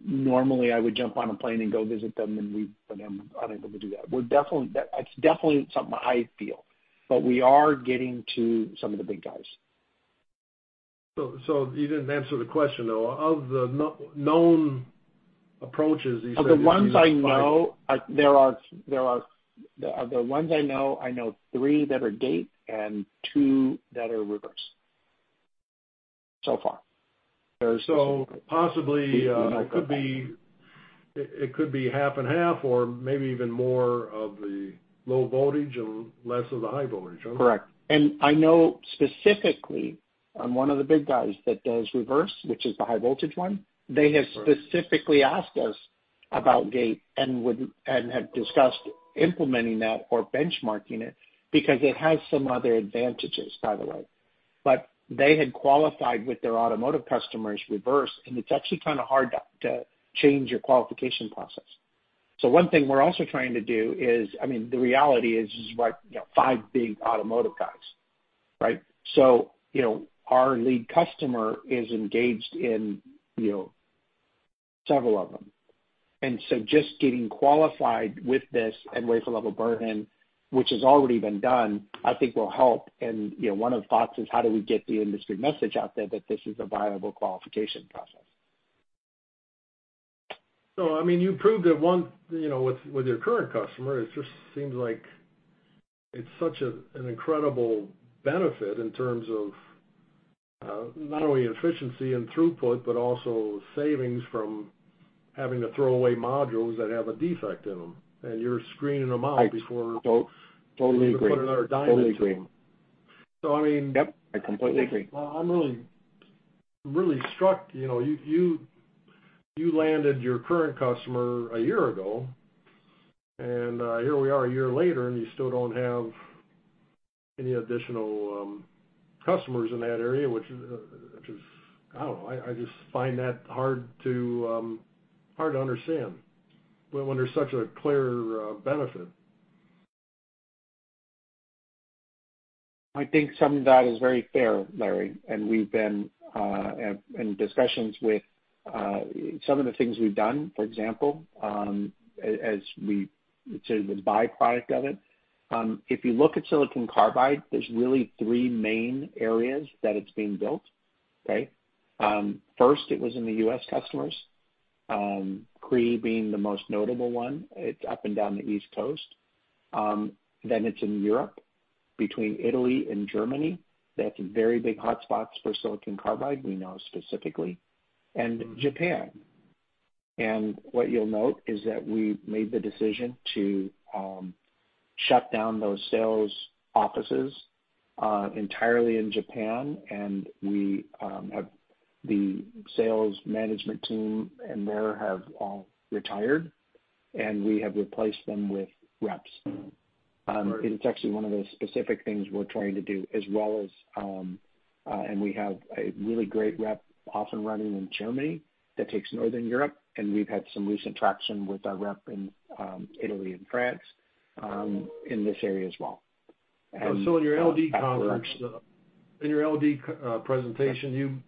normally I would jump on a plane and go visit them, and we've been unable to do that. It's definitely something I feel, but we are getting to some of the big guys. You didn't answer the question, though. Of the ones I know, I know three that are gate and two that are reverse, so far. Possibly it could be 1/2 and 1/2 or maybe even more of the low voltage and less of the high voltage, huh? Correct. I know specifically on one of the big guys that does reverse, which is the high voltage one, they have specifically asked us about gate and have discussed implementing that or benchmarking it because it has some other advantages, by the way. They had qualified with their automotive customers reverse, and it's actually kind of hard to change your qualification process. One thing we're also trying to do is, the reality is what five big automotive guys. Our lead customer is engaged in several of them. Just getting qualified with this at wafer-level burn-in, which has already been done, I think will help. One of the thoughts is how do we get the industry message out there that this is a viable qualification process. You proved that one with your current customer, it just seems like it's such an incredible benefit in terms of not only efficiency and throughput, but also savings from having to throw away modules that have a defect in them, and you're screening them out. Totally agree. You put another diamond to them. Totally agree. I mean. Yep, I completely agree. I'm really struck, you landed your current customer a year ago, and here we are a year later, and you still don't have any additional customers in that area, which is, I don't know, I just find that hard to understand when there's such a clear benefit. I think some of that is very fair, Larry, and we've been in discussions with some of the things we've done, for example as we say, the byproduct of it. If you look at silicon carbide, there's really three main areas that it's being built. First, it was in the U.S. customers, Cree being the most notable one. It's up and down the East Coast. It's in Europe between Italy and Germany. That's very big hotspots for silicon carbide, we know specifically. Japan. What you'll note is that we made the decision to shut down those sales offices entirely in Japan, and the sales management team in there have all retired, and we have replaced them with reps. Right. It's actually one of the specific things we're trying to do as well as we have a really great rep off and running in Germany that takes Northern Europe, and we've had some recent traction with our rep in Italy and France in this area as well. In your LD presentation,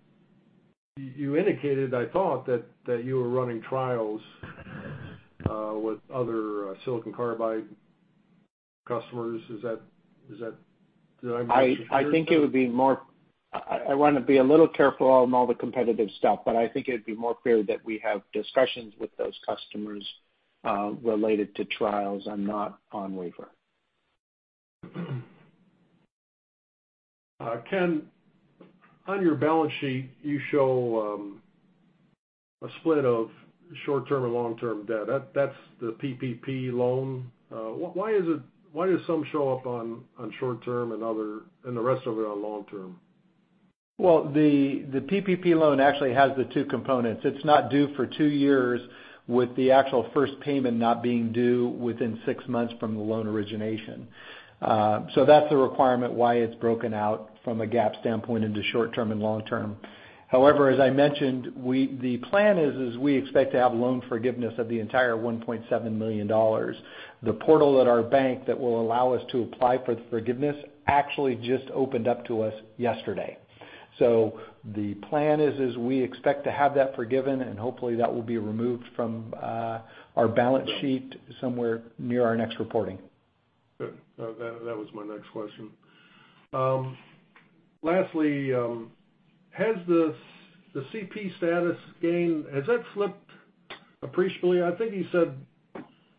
you indicated, I thought, that you were running trials with other silicon carbide customers. Did I mishear? I think I want to be a little careful on all the competitive stuff, but I think it would be more fair that we have discussions with those customers related to trials and not on wafer. Ken, on your balance sheet, you show a split of short-term and long-term debt. That's the PPP loan. Why does some show up on short-term and the rest of it on long-term? Well, the PPP loan actually has the two components. It's not due for two years with the actual first payment not being due within six months from the loan origination. That's the requirement why it's broken out from a GAAP standpoint into short-term and long-term. However, as I mentioned, the plan is we expect to have loan forgiveness of the entire $1.7 million. The portal at our bank that will allow us to apply for the forgiveness actually just opened up to us yesterday. The plan is we expect to have that forgiven, and hopefully that will be removed from our balance sheet somewhere near our next reporting. Good. That was my next question. Lastly, has the CP status, Gayn, slipped appreciably? I think you said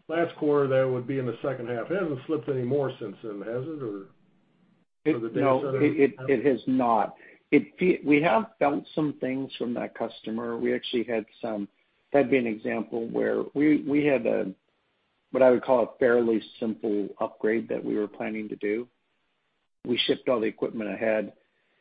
last quarter that it would be in the second half. It hasn't slipped any more since then, has it, or are the dates? No, it has not. We have felt some things from that customer. We actually had some that'd be an example where we had a what I would call a fairly simple upgrade that we were planning to do.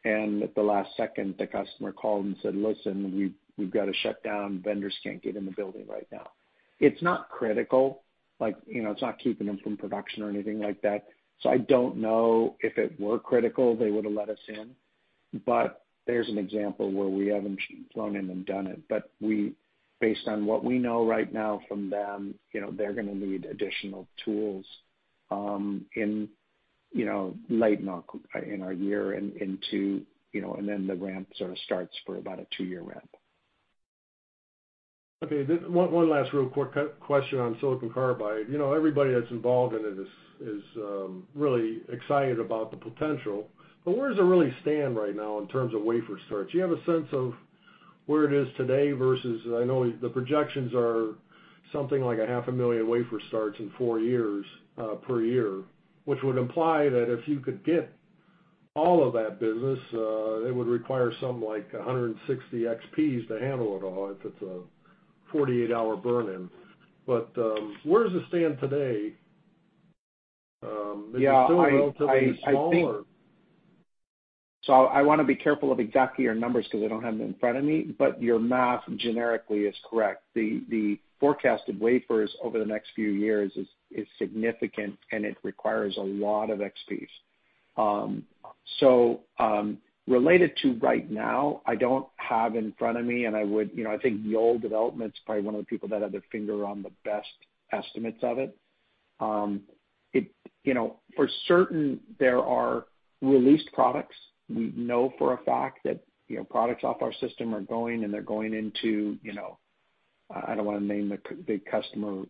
At the last second, the customer called and said, "Listen, we've got to shut down. Vendors can't get in the building right now." It's not critical. It's not keeping them from production or anything like that. I don't know if it were critical, they would've let us in. There's an example where we haven't flown in and done it. Based on what we know right now from them, they're going to need additional tools in our year, and then the ramp sort of starts for about a two-year ramp. Okay. One last real quick question on silicon carbide. Everybody that's involved in it is really excited about the potential, but where does it really stand right now in terms of wafer starts? Do you have a sense of where it is today versus, I know the projections are something like a 500,000 wafer starts in four years, per year, which would imply that if you could get all of that business, it would require something like 160 XPs to handle it all if it's a 48-hour burn-in. Where does it stand today? Yeah. Is it still relatively small, or? I want to be careful of exactly your numbers because I don't have them in front of me, but your math generically is correct. The forecast of wafers over the next few years is significant, and it requires a lot of XPs. Related to right now, I don't have in front of me, and I think Yole Développement's probably one of the people that have their finger on the best estimates of it. For certain, there are released products. We know for a fact that products off our system are going, and they're going into, I don't want to name the big customer,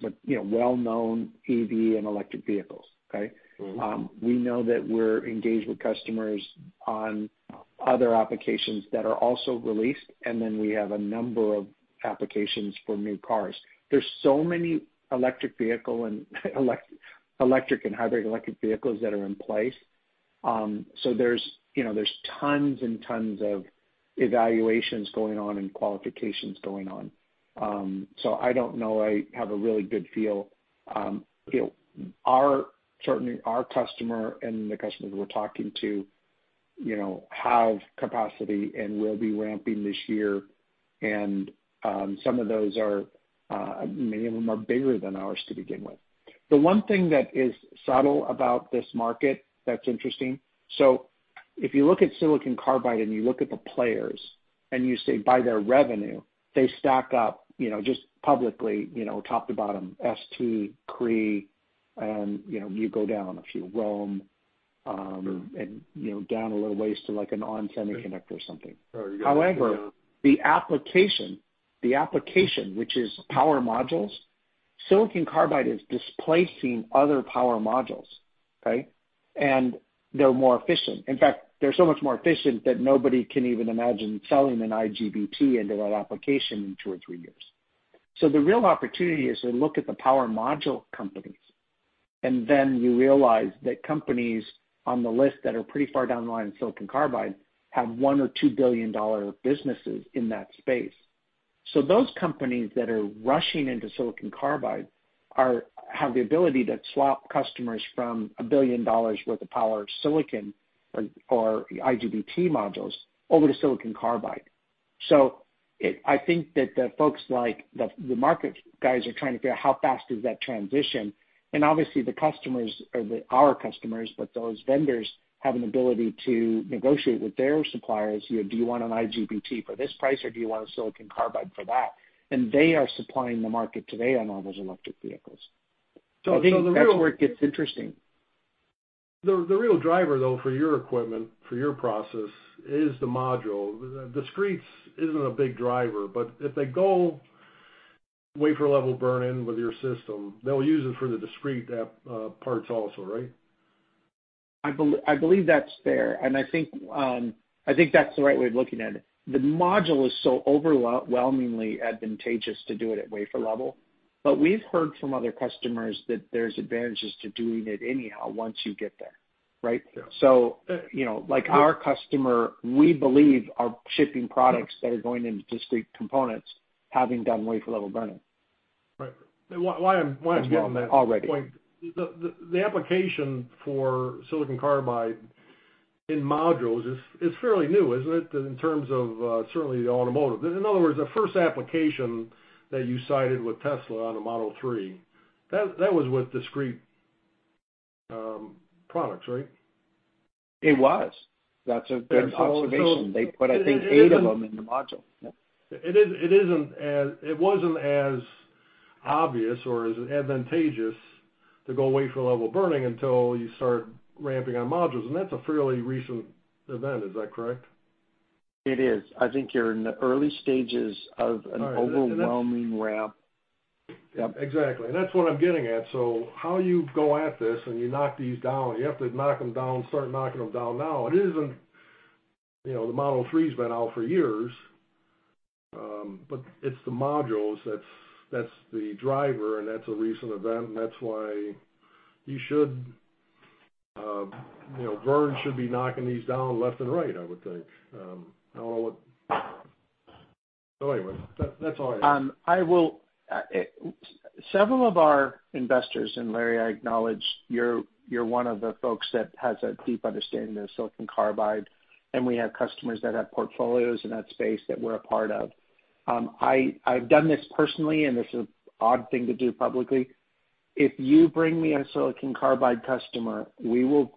but well-known EV and electric vehicles, okay? We know that we're engaged with customers on other applications that are also released, and then we have a number of applications for new cars. There's so many electric vehicle and electric and hybrid electric vehicles that are in place. There's tons and tons of evaluations going on and qualifications going on. I don't know I have a really good feel. Certainly, our customer and the customers we're talking to have capacity and will be ramping this year, and many of them are bigger than ours to begin with. The one thing that is subtle about this market that's interesting, if you look at silicon carbide and you look at the players and you say by their revenue, they stack up just publicly, top to bottom, ST, Cree, and you go down a few, Rohm, and down a little ways to like an onsemi or something. Oh, you got- The application which is power modules, silicon carbide is displacing other power modules, okay? They're more efficient. In fact, they're so much more efficient that nobody can even imagine selling an IGBT into that application in two or three years. The real opportunity is to look at the power module companies, and then you realize that companies on the list that are pretty far down the line in silicon carbide have $1 billion or $2 billion businesses in that space. Those companies that are rushing into silicon carbide have the ability to swap customers from $1 billion worth of power of silicon or IGBT modules over to silicon carbide. I think that the folks like the market guys are trying to figure out how fast is that transition, and obviously the customers or our customers, but those vendors have an ability to negotiate with their suppliers. Do you want an IGBT for this price, or do you want a silicon carbide for that? They are supplying the market today on all those electric vehicles. So the real- I think that's where it gets interesting The real driver, though, for your equipment, for your process, is the module. Discrete isn't a big driver, but if they go wafer-level burn-in with your system, they'll use it for the discrete parts also, right? I believe that's fair, I think that's the right way of looking at it. The module is so overwhelmingly advantageous to do it at wafer level. We've heard from other customers that there's advantages to doing it anyhow once you get there, right? Yeah. Like our customer, we believe are shipping products that are going into discrete components having done wafer-level burn-in. Right. why I'm getting that- Already Point, the application for silicon carbide in modules is fairly new, isn't it, in terms of certainly the automotive? In other words, the first application that you cited with Tesla on a Model 3, that was with discrete products, right? It was. That's a good observation. And so- They put, I think, eight of them in the module. Yeah. It wasn't as obvious or is it advantageous to go wafer-level burn-in until you start ramping on modules? That's a fairly recent event, is that correct? It is. I think you're in the early stages of All right. Overwhelming ramp. Yep. Exactly. That's what I'm getting at. How you go at this, and you knock these down, you have to knock them down, start knocking them down now. The Model 3 has been out for years, but it's the modules that's the driver, and that's a recent event, and that's why Verne should be knocking these down left and right, I would think. Anyway. That's all I have. Several of our investors, and Larry, I acknowledge you're one of the folks that has a deep understanding of silicon carbide, and we have customers that have portfolios in that space that we're a part of. I've done this personally, and this is an odd thing to do publicly. If you bring me a silicon carbide customer, we will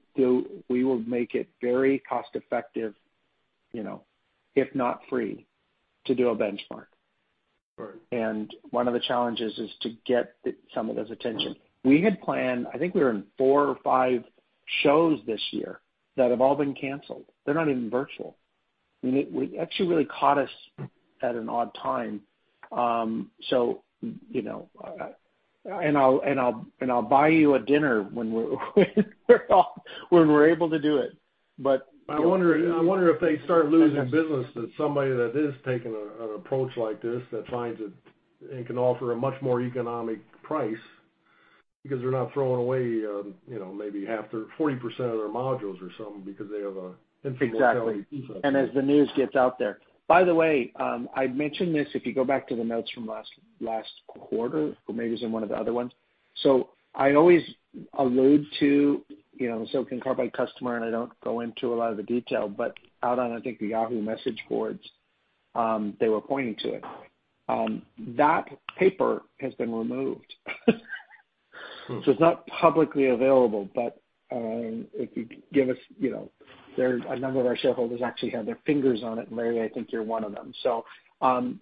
make it very cost effective, if not free, to do a benchmark. Right. One of the challenges is to get some of those attention. We had planned, I think we were in four or five shows this year that have all been canceled. They're not even virtual. It actually really caught us at an odd time. I'll buy you a dinner when we're able to do it. I wonder if they start losing business to somebody that is taking an approach like this that finds it and can offer a much more economic price because they're not throwing away maybe 40% of their modules or something because they have a defective piece. Exactly. As the news gets out there. By the way, I'd mentioned this, if you go back to the notes from last quarter or maybe it's in one of the other ones. I always allude to a silicon carbide customer, and I don't go into a lot of the detail, but out on, I think, the Yahoo message boards, they were pointing to it. That paper has been removed. It's not publicly available, but a number of our shareholders actually had their fingers on it, and Larry, I think you're one of them.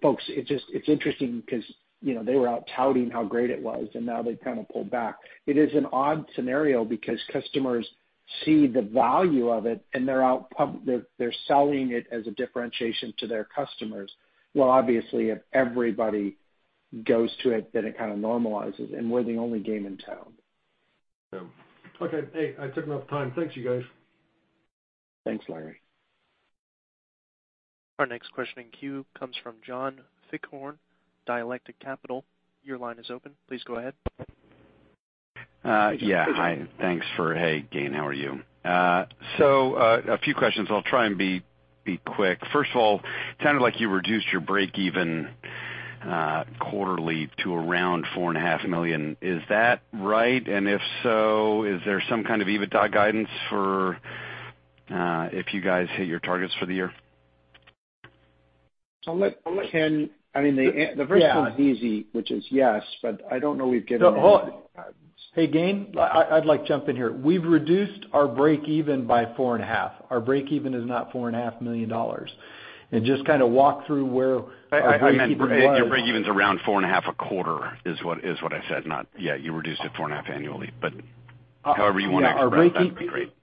Folks, it's interesting because they were out touting how great it was, and now they've kind of pulled back. It is an odd scenario because customers see the value of it, and they're selling it as a differentiation to their customers. Well, obviously, if everybody goes to it, then it kind of normalizes, and we're the only game in town. Okay. Hey, I took enough time. Thanks, you guys. Thanks, Larry. Our next question in queue comes from John Fichthorn, Dialectic Capital. Your line is open. Please go ahead. Yeah. Hi. Thanks. Hey, Gayn, how are you? A few questions. I'll try and be quick. First of all, it sounded like you reduced your break even quarterly to around $4.5 million. Is that right? If so, is there some kind of EBITDA guidance for if you guys hit your targets for the year? The first one's easy, which is yes, but I don't know we've given any guidance. Hey, Gayn, I'd like to jump in here. We've reduced our break even by $4.5 million. Our break even is not $4.5 million. Just kind of walk through where our break even was. I meant your break even's around $4.5 million a quarter is what I said, not Yeah, you reduced it $4.5 million annually, but however you want to express that would be great.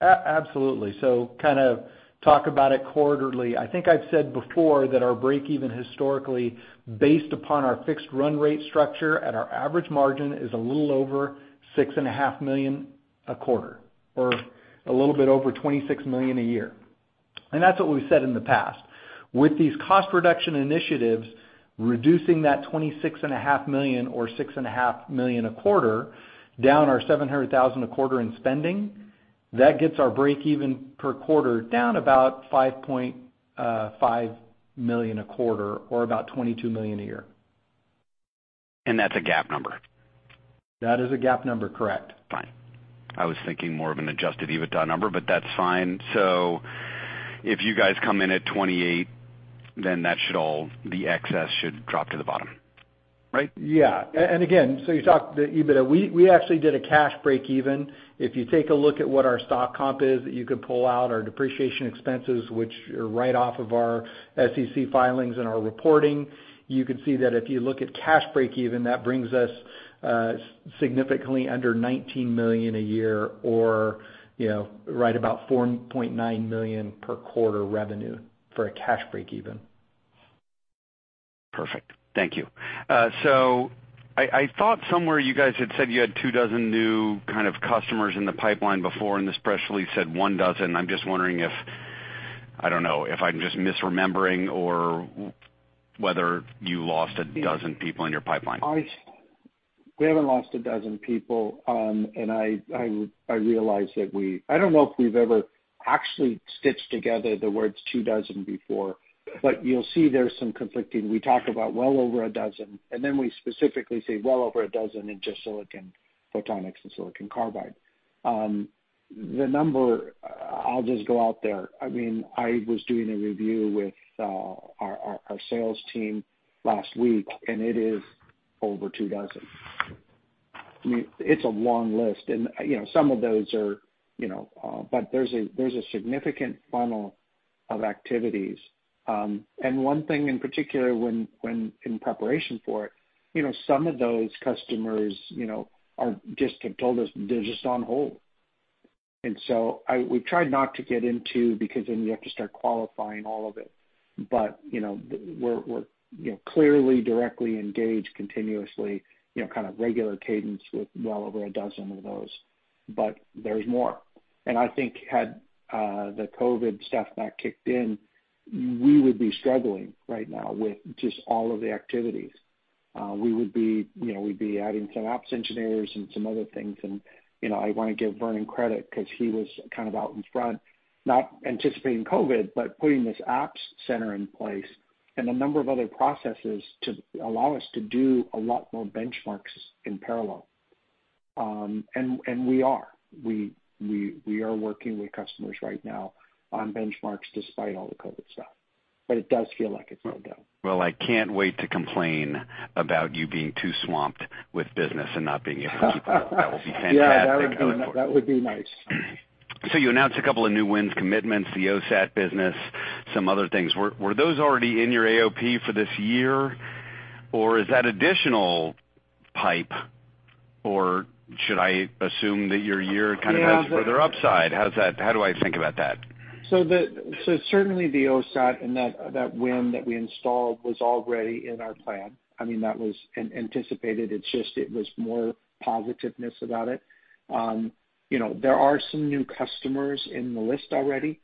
Absolutely. Kind of talk about it quarterly. I think I've said before that our break even historically, based upon our fixed run rate structure at our average margin, is a little over $6.5 million a quarter or a little bit over $26 million a year. That's what we've said in the past. With these cost reduction initiatives, reducing that $26.5 million or $6.5 million a quarter, down our $700,000 a quarter in spending, that gets our break even per quarter down about $5.5 million a quarter or about $22 million a year. That's a GAAP number? That is a GAAP number, correct. Fine. I was thinking more of an adjusted EBITDA number, but that's fine. If you guys come in at $28, then the excess should drop to the bottom, right? Yeah. Again, you talk the EBITDA. We actually did a cash break even. If you take a look at what our stock comp is, you can pull out our depreciation expenses, which are right off of our SEC filings and our reporting. You could see that if you look at cash break even, that brings us significantly under $19 million a year or right about $4.9 million per quarter revenue for a cash break even. Perfect. Thank you. I thought somewhere you guys had said you had two dozen new kind of customers in the pipeline before, and this press release said one dozen. I'm just wondering if, I don't know, if I'm just misremembering or whether you lost a dozen people in your pipeline. We haven't lost one dozen people, and I realize that I don't know if we've ever actually stitched together the words two dozen before, but you'll see there's some conflicting. We talk about well over one dozen, and then we specifically say well over one dozen in just silicon photonics and silicon carbide. The number, I'll just go out there. I was doing a review with our sales team last week, and it is over two dozen. It's a long list. There's a significant funnel of activities. One thing in particular when in preparation for it, some of those customers just have told us they're just on hold. We tried not to get into, because then you have to start qualifying all of it. We're clearly directly engaged continuously, kind of regular cadence with well over one dozen of those. There's more. I think had the COVID-19 stuff not kicked in, we would be struggling right now with just all of the activities. We'd be adding some ops engineers and some other things and I want to give Vernon credit because he was kind of out in front, not anticipating COVID-19, but putting this ops center in place and a number of other processes to allow us to do a lot more benchmarks in parallel. We are. We are working with customers right now on benchmarks despite all the COVID-19 stuff. It does feel like it's slowed down. Well, I can't wait to complain about you being too swamped with business and not being able to. That will be fantastic. Yeah, that would be nice. You announced a couple of new wins, commitments, the OSAT business, some other things. Were those already in your AOP for this year, or is that additional pipe, or should I assume that your year kind of has further upside? How do I think about that? Certainly the OSAT and that win that we installed was already in our plan. That was anticipated. It's just, it was more positiveness about it. There are some new customers in the list already,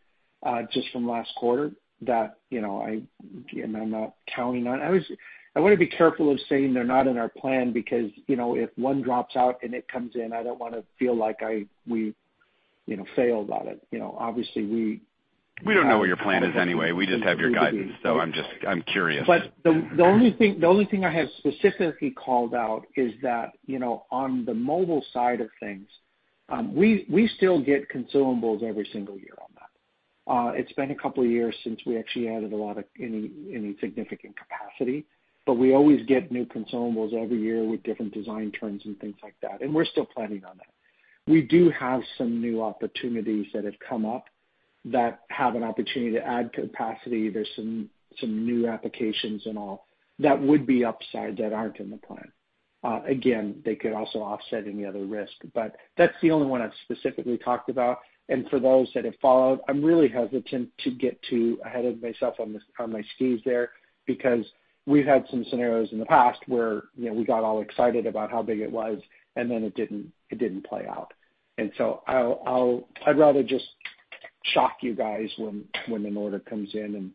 just from last quarter that I'm not counting on. I want to be careful of saying they're not in our plan because, if one drops out and it comes in, I don't want to feel like we failed at it. We don't know what your plan is anyway. We just have your guidance, so I'm curious. The only thing I have specifically called out is that on the mobile side of things, we still get consumables every single year on that. It's been a couple of years since we actually added any significant capacity, but we always get new consumables every year with different design trends and things like that, and we're still planning on that. We do have some new opportunities that have come up that have an opportunity to add capacity. There are some new applications and all that would be upside that aren't in the plan. Again, they could also offset any other risk, but that's the only one I've specifically talked about. For those that have followed, I'm really hesitant to get too ahead of myself on my skis there, because we've had some scenarios in the past where we got all excited about how big it was, and then it didn't play out. I'd rather just shock you guys when an order comes in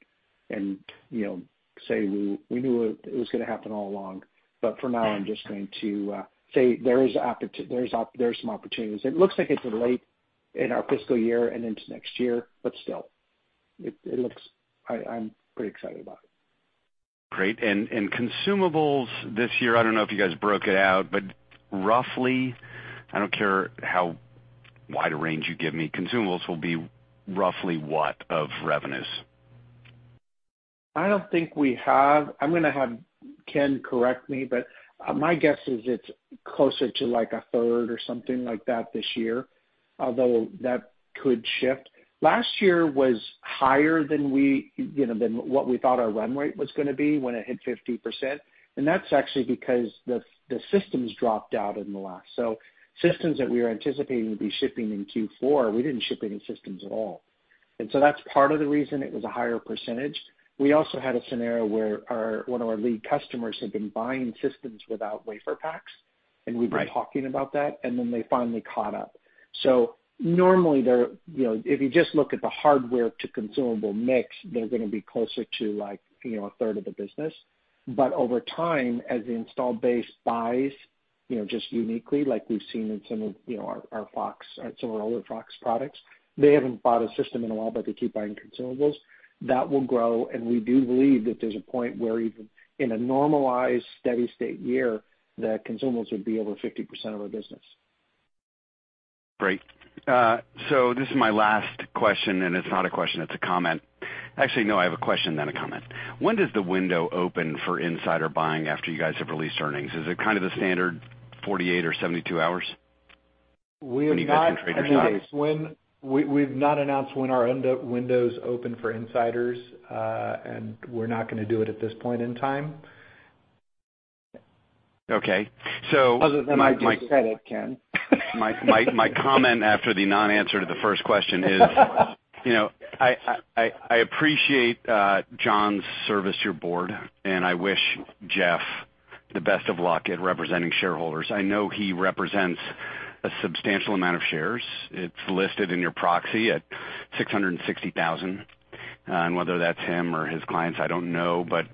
and say we knew it was going to happen all along. For now, I'm just going to say there are some opportunities. It looks like it's late in our fiscal year and into next year, but still. I'm pretty excited about it. Great. Consumables this year, I don't know if you guys broke it out, but roughly, I don't care how wide a range you give me, consumables will be roughly what of revenues? I don't think we have. I'm going to have Ken correct me, but my guess is it's closer to like a third or something like that this year, although that could shift. Last year was higher than what we thought our run rate was going to be when it hit 50%. That's actually because the systems dropped out. Systems that we were anticipating would be shipping in Q4, we didn't ship any systems at all. That's part of the reason it was a higher %. We also had a scenario where one of our lead customers had been buying systems without WaferPaks, and we'd been talking about that, and then they finally caught up. Normally, if you just look at the hardware-to-consumable mix, they're going to be closer to a third of the business. Over time, as the installed base buys just uniquely, like we've seen in some of our older FOX products, they haven't bought a system in a while, but they keep buying consumables. That will grow, and we do believe that there's a point where even in a normalized, steady-state year, that consumables would be over 50% of our business. Great. This is my last question, and it's not a question, it's a comment. Actually, no, I have a question, then a comment. When does the window open for insider buying after you guys have released earnings? Is it kind of the standard 48 or 72 hours? We have not announced when our windows open for insiders, and we're not going to do it at this point in time. Okay. Other than I just said it, Ken. My comment after the non-answer to the first question is, I appreciate John's service to your board, and I wish Jeff the best of luck at representing shareholders. Whether that's him or his clients, I don't know, but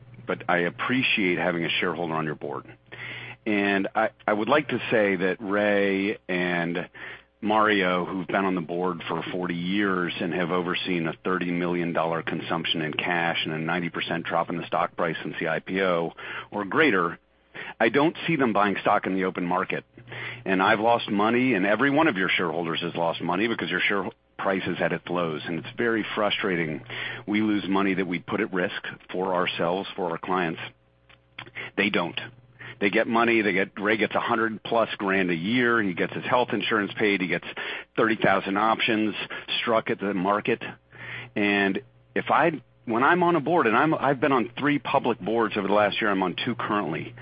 I appreciate having a shareholder on your board. I know he represents a substantial amount of shares. It's listed in your proxy at 660,000. I would like to say that Rhea and Mario, who've been on the board for 40 years and have overseen a $30 million consumption in cash and a 90% drop in the stock price since the IPO or greater, I don't see them buying stock in the open market. I've lost money, and every one of your shareholders has lost money because your share price is at its lows, and it's very frustrating. We lose money that we put at risk for ourselves, for our clients. They don't. They get money. Rhea gets 100+ grand a year. He gets his health insurance paid. He gets 30,000 options struck at the market. When I'm on a board, and I've been on three public boards over the last year, I'm on two currently,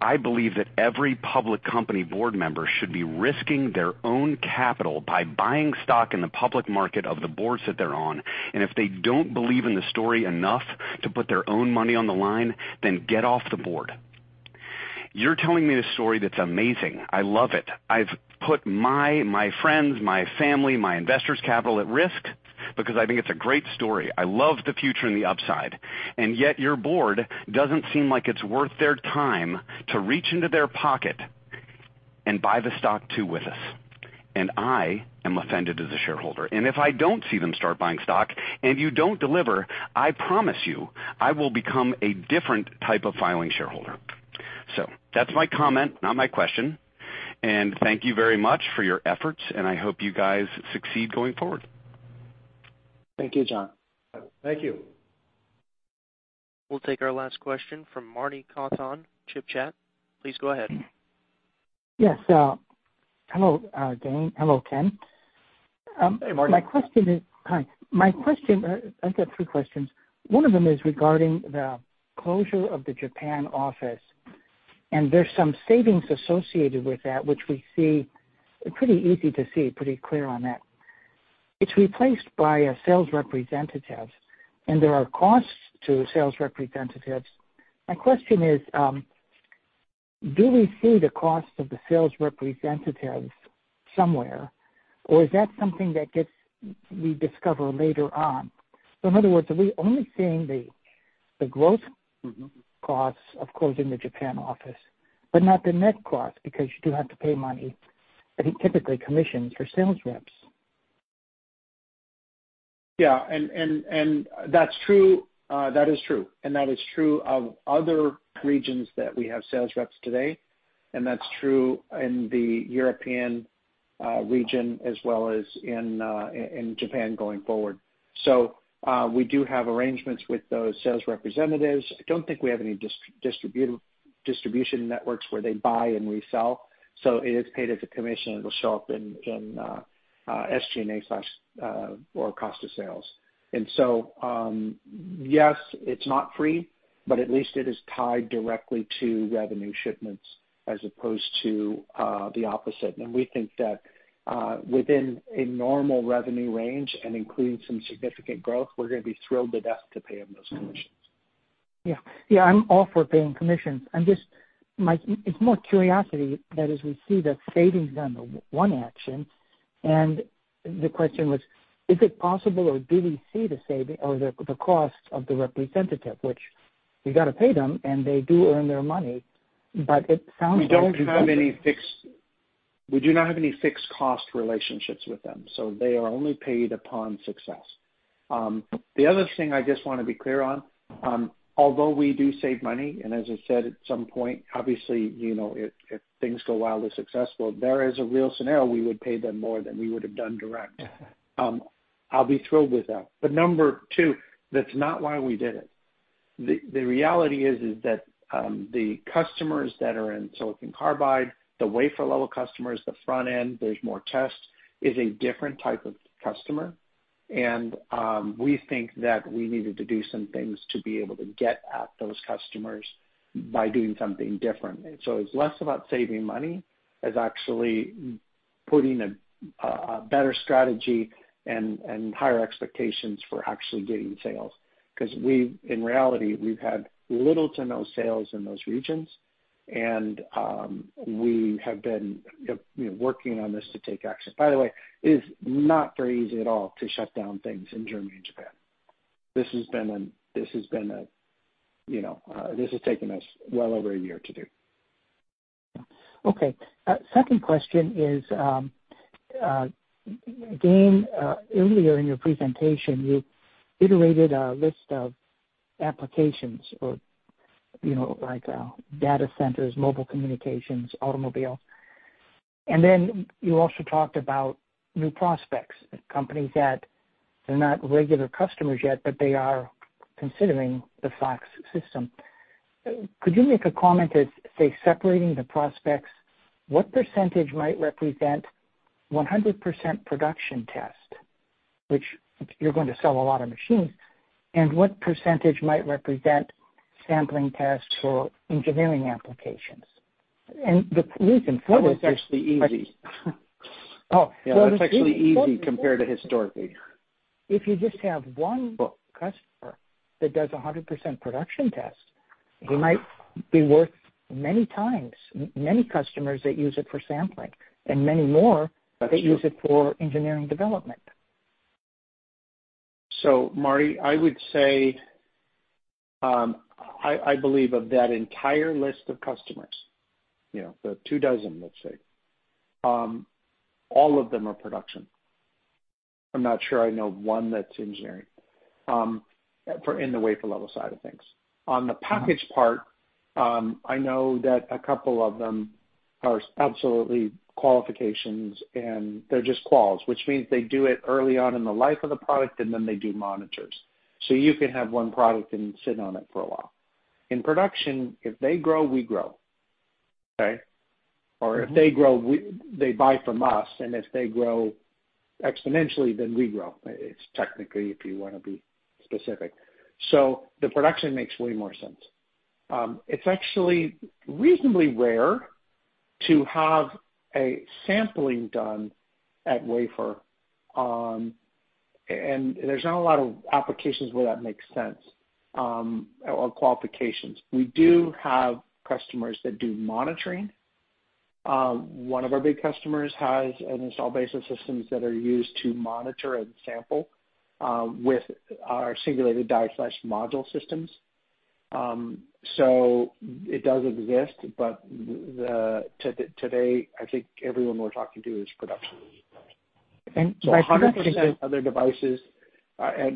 I believe that every public company board member should be risking their own capital by buying stock in the public market of the boards that they're on. If they don't believe in the story enough to put their own money on the line, then get off the board. You're telling me this story that's amazing. I love it. I've put my friends', my family, my investors' capital at risk because I think it's a great story. I love the future and the upside, and yet your board doesn't seem like it's worth their time to reach into their pocket and buy the stock too with us. I am offended as a shareholder. If I don't see them start buying stock, and you don't deliver, I promise you, I will become a different type of filing shareholder. That's my comment, not my question. Thank you very much for your efforts, and I hope you guys succeed going forward. Thank you, John. Thank you. We'll take our last question from Marty Katan, Chip Chat. Please go ahead. Yes. Hello, Gayn. Hello, Ken. Hey, Marty. Hi. I've got three questions. One of them is regarding the closure of the Japan office. There's some savings associated with that, which we see, pretty easy to see, pretty clear on that. It's replaced by a sales representative. There are costs to sales representatives. My question is, do we see the cost of the sales representatives somewhere, or is that something that we discover later on? In other words, are we only seeing the gross costs of closing the Japan office, but not the net cost? You do have to pay money, I think typically commissions for sales reps. Yeah, that is true of other regions that we have sales reps today, and that's true in the European region as well as in Japan going forward. We do have arrangements with those sales representatives. I don't think we have any distribution networks where they buy and resell, so it is paid as a commission. It'll show up in SG&A/or cost of sales. Yes, it's not free, but at least it is tied directly to revenue shipments as opposed to the opposite. We think that within a normal revenue range and including some significant growth, we're going to be thrilled to death to pay them those commissions. Yeah. I'm all for paying commissions. It's more curiosity that as we see the savings on one action, the question was, is it possible or do we see the cost of the representative, which we got to pay them, and they do earn their money. We do not have any fixed cost relationships with them, so they are only paid upon success. The other thing I just want to be clear on, although we do save money, and as I said, at some point, obviously, if things go wildly successful, there is a real scenario we would pay them more than we would have done direct. Yeah. I'll be thrilled with that. Number two, that's not why we did it. The reality is that the customers that are in silicon carbide, the wafer level customers, the front end, there's more tests, is a different type of customer. We think that we needed to do some things to be able to get at those customers by doing something different. It's less about saving money, as actually putting a better strategy and higher expectations for actually getting sales. In reality, we've had little to no sales in those regions, and we have been working on this to take action. By the way, it is not very easy at all to shut down things in Germany and Japan. This has taken us well over a year to do. Okay. Second question is, Gayn, earlier in your presentation, you iterated a list of applications or, like, data centers, mobile communications, automobile. You also talked about new prospects, companies that they're not regular customers yet, but they are considering the FOX system. Could you make a comment that, say, separating the prospects, what percentage might represent 100% production test, which you're going to sell a lot of machines, and what percentage might represent sampling tests for engineering applications? The reason for this is. That one's actually easy. Oh. That's actually easy compared to historically. If you just have one customer that does 100% production tests, he might be worth many times, many customers that use it for sampling. That's true. that use it for engineering development. Marty, I would say, I believe of that entire list of customers, the two dozen, let's say, all of them are production. I'm not sure I know one that's engineering, in the wafer-level side of things. On the packaged part, I know that a couple of them are absolutely qualifications, and they're just quals, which means they do it early on in the life of the product, and then they do monitors. You can have one product and sit on it for a while. In production, if they grow, we grow. Okay. If they grow, they buy from us. If they grow exponentially, then we grow. It's technically, if you want to be specific. The production makes way more sense. It's actually reasonably rare to have a sampling done at wafer. There's not a lot of applications where that makes sense, or qualifications. We do have customers that do monitoring. One of our big customers has an install base of systems that are used to monitor and sample with singulated die slash module systems. It does exist, but today, I think everyone we're talking to is production. 100% of their devices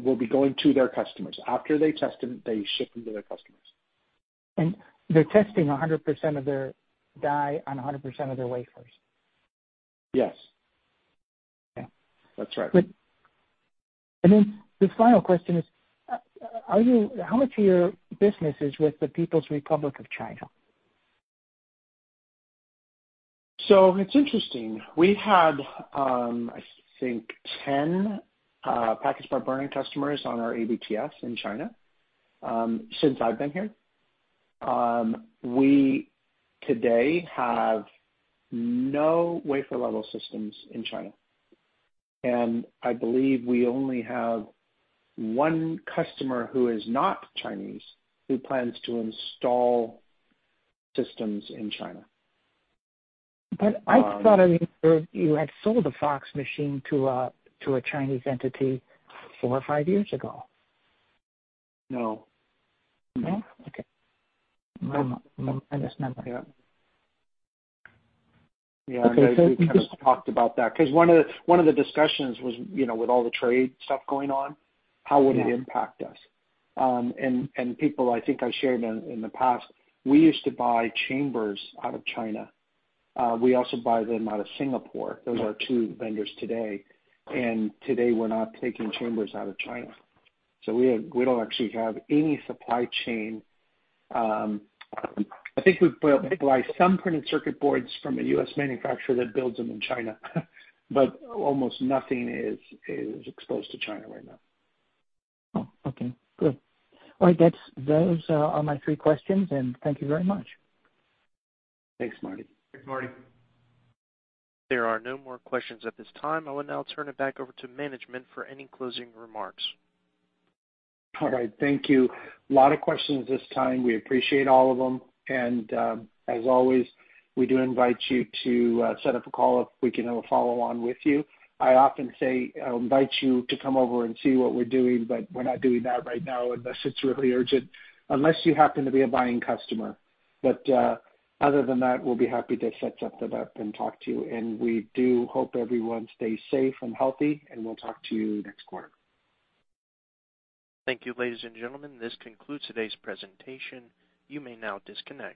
will be going to their customers. After they test them, they ship them to their customers. They're testing 100% of their die on 100% of their wafers. Yes. Yeah. That's right. The final question is, how much of your business is with the People's Republic of China? It's interesting. We've had, I think, 10 packaged part burn-in customers on our ABTS in China since I've been here. We today have no wafer level systems in China, and I believe we only have one customer who is not Chinese, who plans to install systems in China. I thought you had sold a FOX machine to a Chinese entity four or five years ago. No. No? Okay. Mismemory. Yeah. We kind of talked about that, because one of the discussions was with all the trade stuff going on, how would it impact us? People, I think I shared in the past, we used to buy chambers out of China. We also buy them out of Singapore. Those are our two vendors today, and today we're not taking chambers out of China. We don't actually have any supply chain. I think we buy some printed circuit boards from a U.S. manufacturer that builds them in China, but almost nothing is exposed to China right now. Oh, okay. Good. All right. Those are my three questions. Thank you very much. Thanks, Marty. Thanks, Marty. There are no more questions at this time. I will now turn it back over to management for any closing remarks. All right. Thank you. Lot of questions this time. We appreciate all of them. As always, we do invite you to set up a call if we can have a follow-on with you. I often say I'll invite you to come over and see what we're doing, but we're not doing that right now unless it's really urgent, unless you happen to be a buying customer. Other than that, we'll be happy to set that up and talk to you. We do hope everyone stays safe and healthy, and we'll talk to you next quarter. Thank you, ladies and gentlemen. This concludes today's presentation. You may now disconnect.